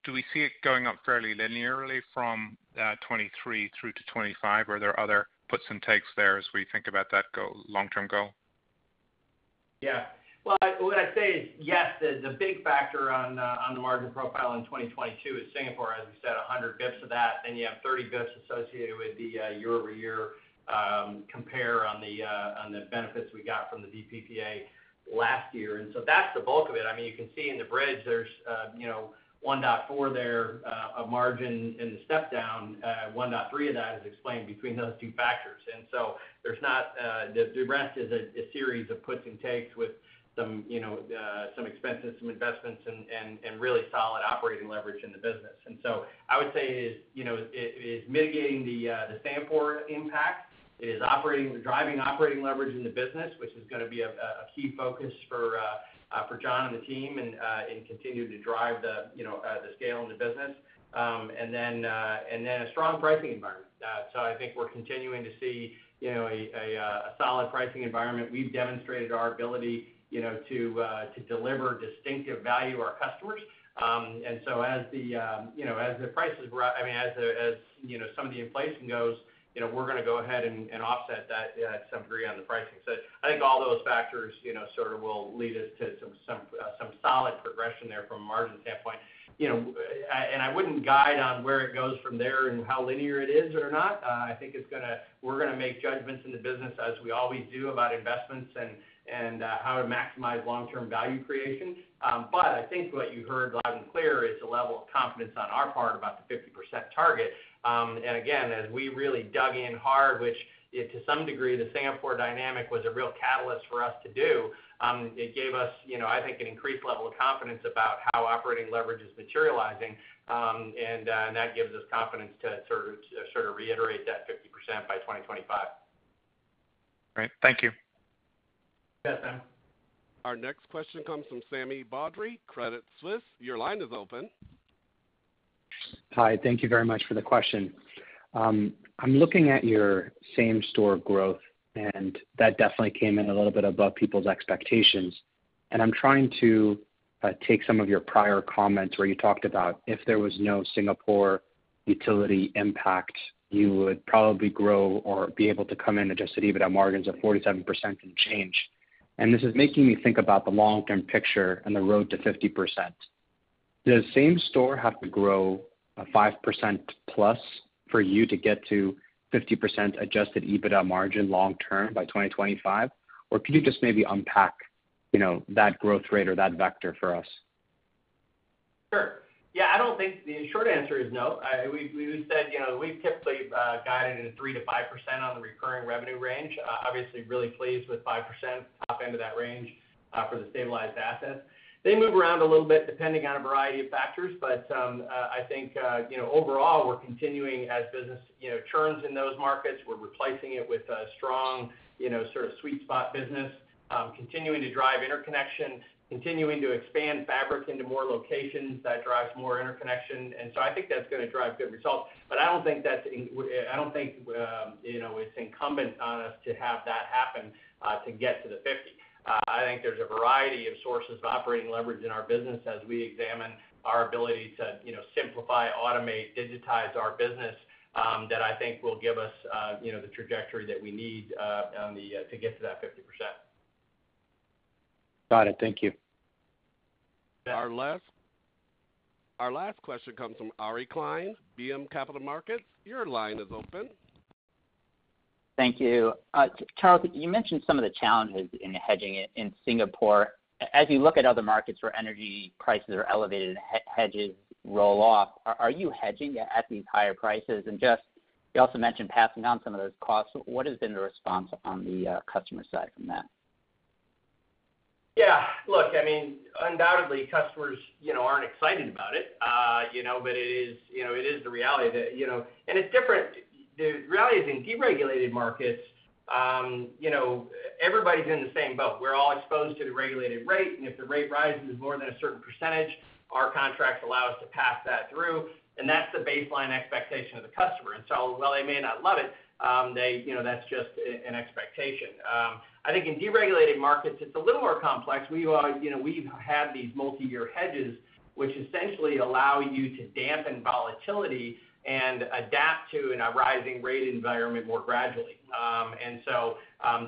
do we see it going up fairly linearly from 2023 through to 2025? Are there other puts and takes there as we think about that goal, long-term goal? Yeah. Well, what I'd say is, yes, the big factor on the margin profile in 2022 is Singapore, as we said, 100 basis points of that, then you have 30 basis points associated with the year-over-year compare on the benefits we got from the VPPA last year. That's the bulk of it. I mean, you can see in the bridge there's, you know, 1.4% there of margin in the step-down. 1.3% of that is explained between those two factors. There's not. The rest is a series of puts and takes with some, you know, some expenses, some investments and really solid operating leverage in the business. I would say, you know, it's mitigating the Singapore impact. It is driving operating leverage in the business, which is gonna be a key focus for Jon Lin and team and continue to drive the scale in the business. A strong pricing environment. I think we're continuing to see, you know, a solid pricing environment. We've demonstrated our ability, you know, to deliver distinctive value to our customers. And so, you know, I mean, as some of the inflation goes, you know, we're gonna go ahead and offset that to some degree on the pricing. I think all those factors, you know, sort of will lead us to some solid progression there from a margin standpoint. You know, I wouldn't guide on where it goes from there and how linear it is or not. I think we're gonna make judgments in the business as we always do about investments and how to maximize long-term value creation. I think what you heard loud and clear is the level of confidence on our part about the 50% target. Again, as we really dug in hard, which to some degree, the Singapore dynamic was a real catalyst for us to do, it gave us, you know, I think, an increased level of confidence about how operating leverage is materializing. That gives us confidence to sort of reiterate that 50% by 2025. All right. Thank you. Yes, Simon. Our next question comes from Sami Badri, Credit Suisse. Your line is open. Hi. Thank you very much for the question. I'm looking at your same-store growth, and that definitely came in a little bit above people's expectations. I'm trying to take some of your prior comments where you talked about if there was no Singapore utility impact, you would probably grow or be able to come in Adjusted EBITDA margins of 47% and change. This is making me think about the long-term picture and the road to 50%. Does same store have to grow 5% plus for you to get to 50% Adjusted EBITDA margin long term by 2025? Or could you just maybe unpack, you know, that growth rate or that vector for us? Sure. Yeah, I don't think. The short answer is no. We said, you know, we've typically guided in a 3%-5% on the recurring revenue range. Obviously really pleased with 5%, top end of that range, for the stabilized assets. They move around a little bit depending on a variety of factors, but I think, you know, overall, we're continuing as business, you know, churns in those markets. We're replacing it with a strong, you know, sort of sweet spot business, continuing to drive interconnection, continuing to expand fabric into more locations that drives more interconnection. I think that's gonna drive good results. I don't think, you know, it's incumbent on us to have that happen to get to the 50%. I think there's a variety of sources of operating leverage in our business as we examine our ability to, you know, simplify, automate, digitize our business, that I think will give us, you know, the trajectory that we need to get to that 50%. Got it. Thank you. Yeah. Our last question comes from Ari Klein, BMO Capital Markets. Your line is open. Thank you. Charles, you mentioned some of the challenges in hedging in Singapore. As you look at other markets where energy prices are elevated and hedges roll off, are you hedging at these higher prices? Just, you also mentioned passing down some of those costs. What has been the response on the customer side from that? Yeah. Look, I mean, undoubtedly, customers, you know, aren't excited about it. You know, but it is, you know, it is the reality that, you know. It's different. The reality is, in deregulated markets, you know, everybody's in the same boat. We're all exposed to the regulated rate, and if the rate rises more than a certain percentage, our contracts allow us to pass that through, and that's the baseline expectation of the customer. While they may not love it, they, you know, that's just an expectation. I think in deregulated markets, it's a little more complex. We've you know, had these multiyear hedges, which essentially allow you to dampen volatility and adapt to in a rising rate environment more gradually.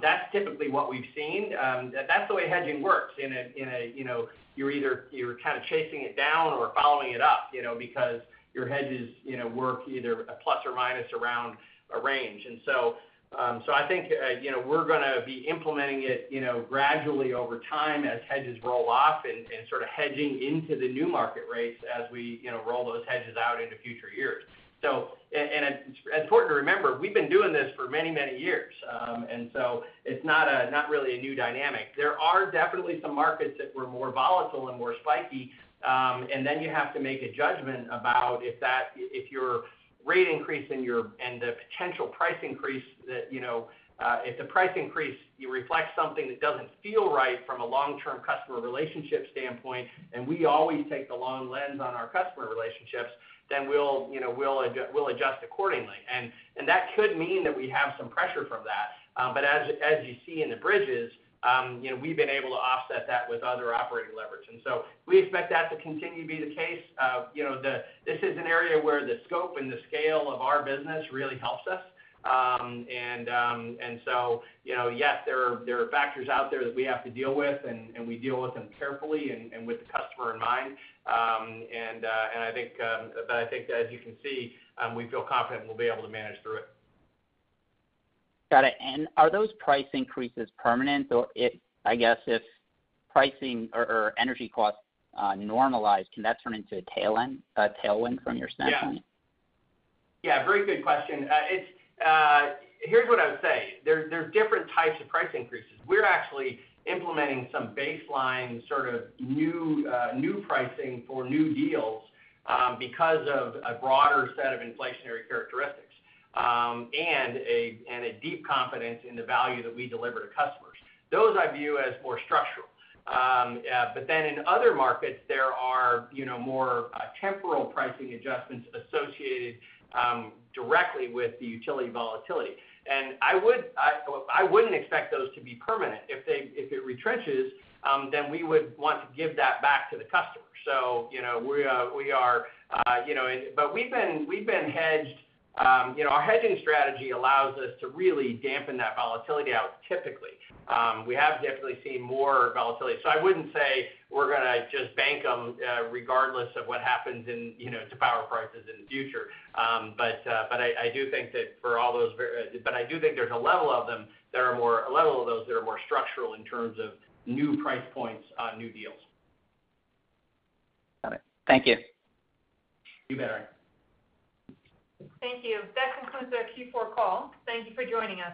That's typically what we've seen. That's the way hedging works in a you know, you're either kind of chasing it down or following it up, you know, because your hedges, you know, work either a plus or minus around a range. I think you know, we're gonna be implementing it you know, gradually over time as hedges roll off and sort of hedging into the new market rates as we you know, roll those hedges out into future years. And it's important to remember, we've been doing this for many years. It's not really a new dynamic. There are definitely some markets that were more volatile and more spiky. Then you have to make a judgment about if your rate increase and the potential price increase that you know. If the price increase reflects something that doesn't feel right from a long-term customer relationship standpoint, and we always take the long lens on our customer relationships, then we'll, you know, we'll adjust accordingly. That could mean that we have some pressure from that. As you see in the bridges, you know, we've been able to offset that with other operating leverage. We expect that to continue to be the case. This is an area where the scope and the scale of our business really helps us. You know, yes, there are factors out there that we have to deal with, and we deal with them carefully and with the customer in mind. I think that as you can see, we feel confident we'll be able to manage through it. Got it. Are those price increases permanent? If, I guess, pricing or energy costs normalize, can that turn into a tailwind from your standpoint? Yeah. Yeah, very good question. Here's what I would say. There's different types of price increases. We're actually implementing some baseline sort of new pricing for new deals because of a broader set of inflationary characteristics and a deep confidence in the value that we deliver to customers. Those I view as more structural. Then in other markets, there are, you know, more temporal pricing adjustments associated directly with the utility volatility. I wouldn't expect those to be permanent. If it retrenches, then we would want to give that back to the customer. You know, we are, you know. We've been hedged. You know, our hedging strategy allows us to really dampen that volatility out typically. We have definitely seen more volatility. I wouldn't say we're gonna just bank them regardless of what happens in you know to power prices in the future. I do think that for all those there's a level of those that are more structural in terms of new price points on new deals. Got it. Thank you. You bet. Thank you. That concludes our Q4 call. Thank you for joining us.